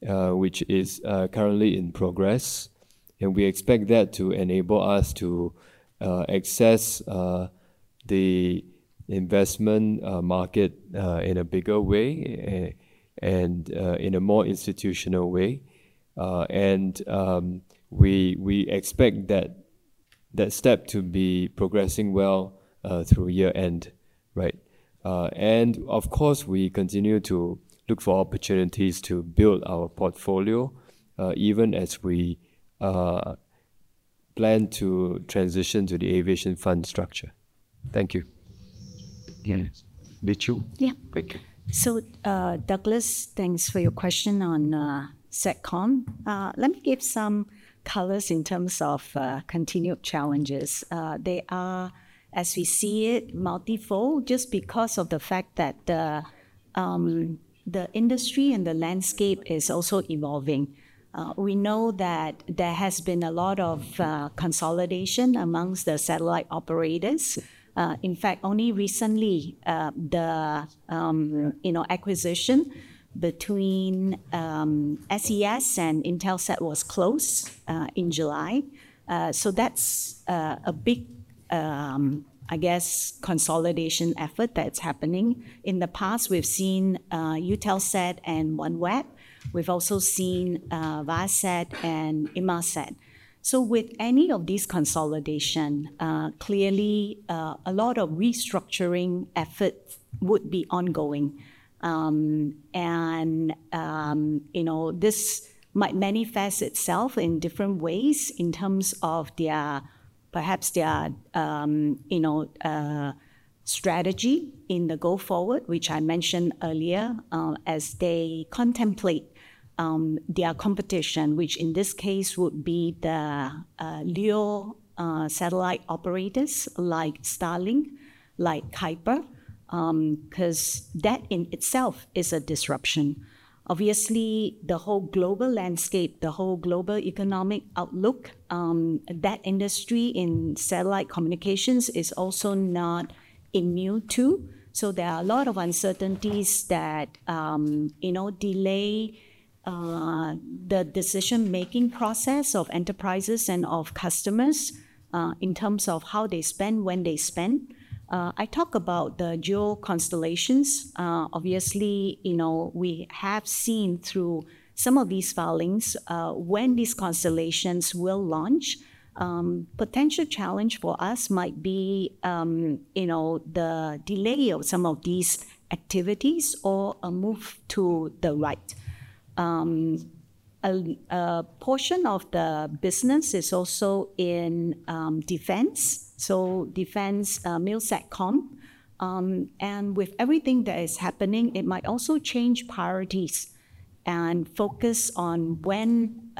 which is currently in progress. We expect that to enable us to access the investment market in a bigger way and in a more institutional way. We expect that step to be progressing well through year-end, right? Of course, we continue to look for opportunities to build our portfolio even as we plan to transition to the aviation fund structure. Thank you. Yeah. Lee Chew? Yeah. Great. Douglas, thanks for your question on Satcom. Let me give some color in terms of continued challenges. They are, as we see it, multifold just because of the fact that the industry and the landscape is also evolving. We know that there has been a lot of consolidation amongst the satellite operators. In fact, only recently, the acquisition between SES and Intelsat was closed in July. That's a big consolidation effort that's happening. In the past, we've seen Eutelsat and OneWeb. We've also seen Viasat and Inmarsat. With any of these consolidations, clearly, a lot of restructuring efforts would be ongoing. This might manifest itself in different ways in terms of perhaps their strategy in the go-forward, which I mentioned earlier, as they contemplate their competition, which in this case would be the LEO satellite operators like Starlink, like Kuiper, because that in itself is a disruption. Obviously, the whole global landscape, the whole global economic outlook, that industry in satellite communications is also not immune to. There are a lot of uncertainties that delay the decision-making process of enterprises and of customers in terms of how they spend, when they spend. I talk about the dual constellations. We have seen through some of these filings when these constellations will launch. A potential challenge for us might be the delay of some of these activities or a move to the right. A portion of the business is also in defense, so defense MILSATCOM. With everything that is happening, it might also change priorities and focus on when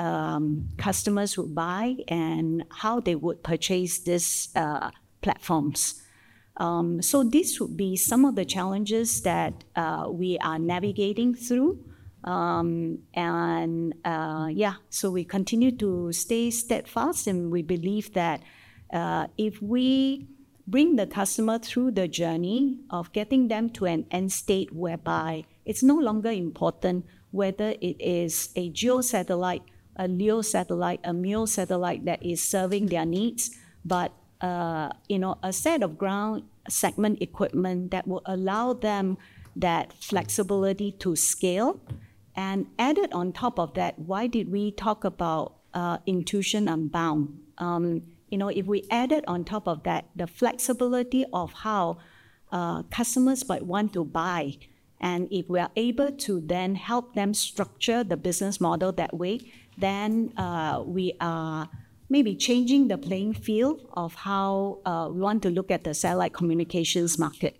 customers would buy and how they would purchase these platforms. These would be some of the challenges that we are navigating through. We continue to stay steadfast, and we believe that if we bring the customer through the journey of getting them to an end state whereby it's no longer important whether it is a dual satellite, a LEO satellite, a MILSATCOM satellite that is serving their needs, but a set of ground segment equipment that will allow them that flexibility to scale. Added on top of that, why did we talk about Intuition Unbound? If we added on top of that the flexibility of how customers might want to buy, and if we are able to then help them structure the business model that way, then we are maybe changing the playing field of how we want to look at the satellite communications market.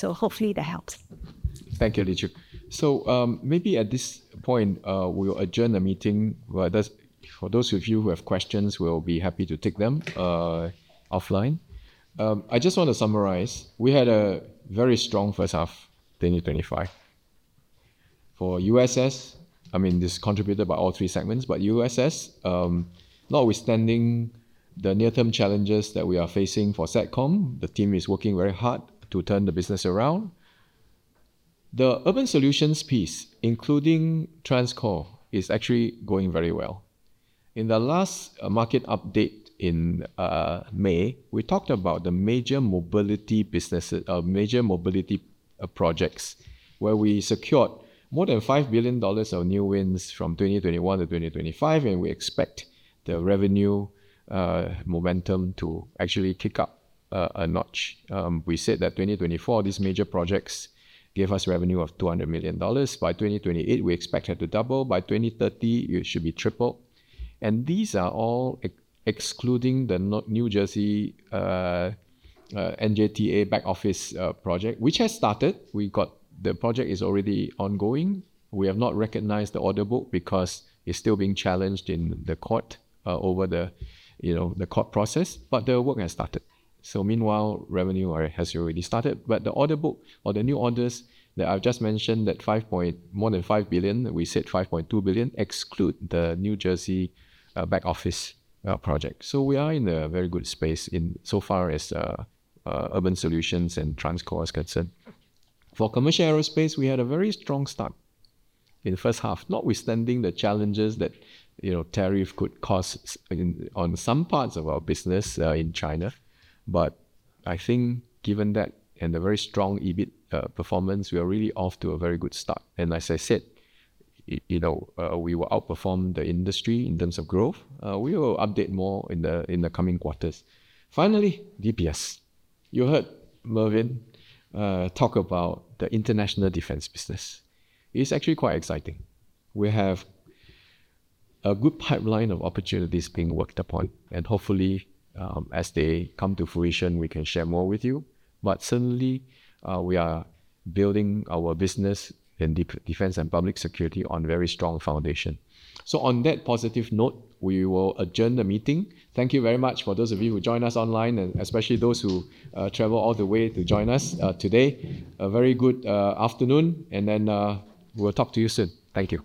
Hopefully that helps. Thank you, Lee Chew. Maybe at this point, we'll adjourn the meeting. For those of you who have questions, we'll be happy to take them offline. I just want to summarize. We had a very strong first half, 2025. For USS, this was contributed by all three segments, but USS, notwithstanding the near-term challenges that we are facing for Satcom, the team is working very hard to turn the business around. The Urban Solutions piece, including TransCore, is actually going very well. In the last market update in May, we talked about the major mobility businesses, major mobility projects where we secured more than 5 billion dollars of new wins from 2021 to 2025, and we expect the revenue momentum to actually tick up a notch. We said that 2024, these major projects gave us revenue of 200 million dollars. By 2028, we expect it to double. By 2030, it should be triple. These are all excluding the New Jersey NJTA back office project, which has started. We got the project, it is already ongoing. We have not recognized the order book because it's still being challenged in the court over the court process, but the work has started. Meanwhile, revenue has already started. The order book or the new orders that I've just mentioned, that more than 5 billion, we said 5.2 billion, exclude the New Jersey back office project. We are in a very good space insofar as Urban Solutions and TransCore is concerned. For Commercial Aerospace, we had a very strong start in the first half, notwithstanding the challenges that tariffs could cause on some parts of our business in China. I think given that and the very strong EBIT performance, we are really off to a very good start. As I said, we will outperform the industry in terms of growth. We will update more in the coming quarters. Finally, DPS. You heard Mervyn talk about the international defense business. It's actually quite exciting. We have a good pipeline of opportunities being worked upon, and hopefully, as they come to fruition, we can share more with you. Certainly, we are building our business in Defense & Public Security on a very strong foundation. On that positive note, we will adjourn the meeting. Thank you very much for those of you who join us online, and especially those who travel all the way to join us today. A very good afternoon, and we'll talk to you soon. Thank you.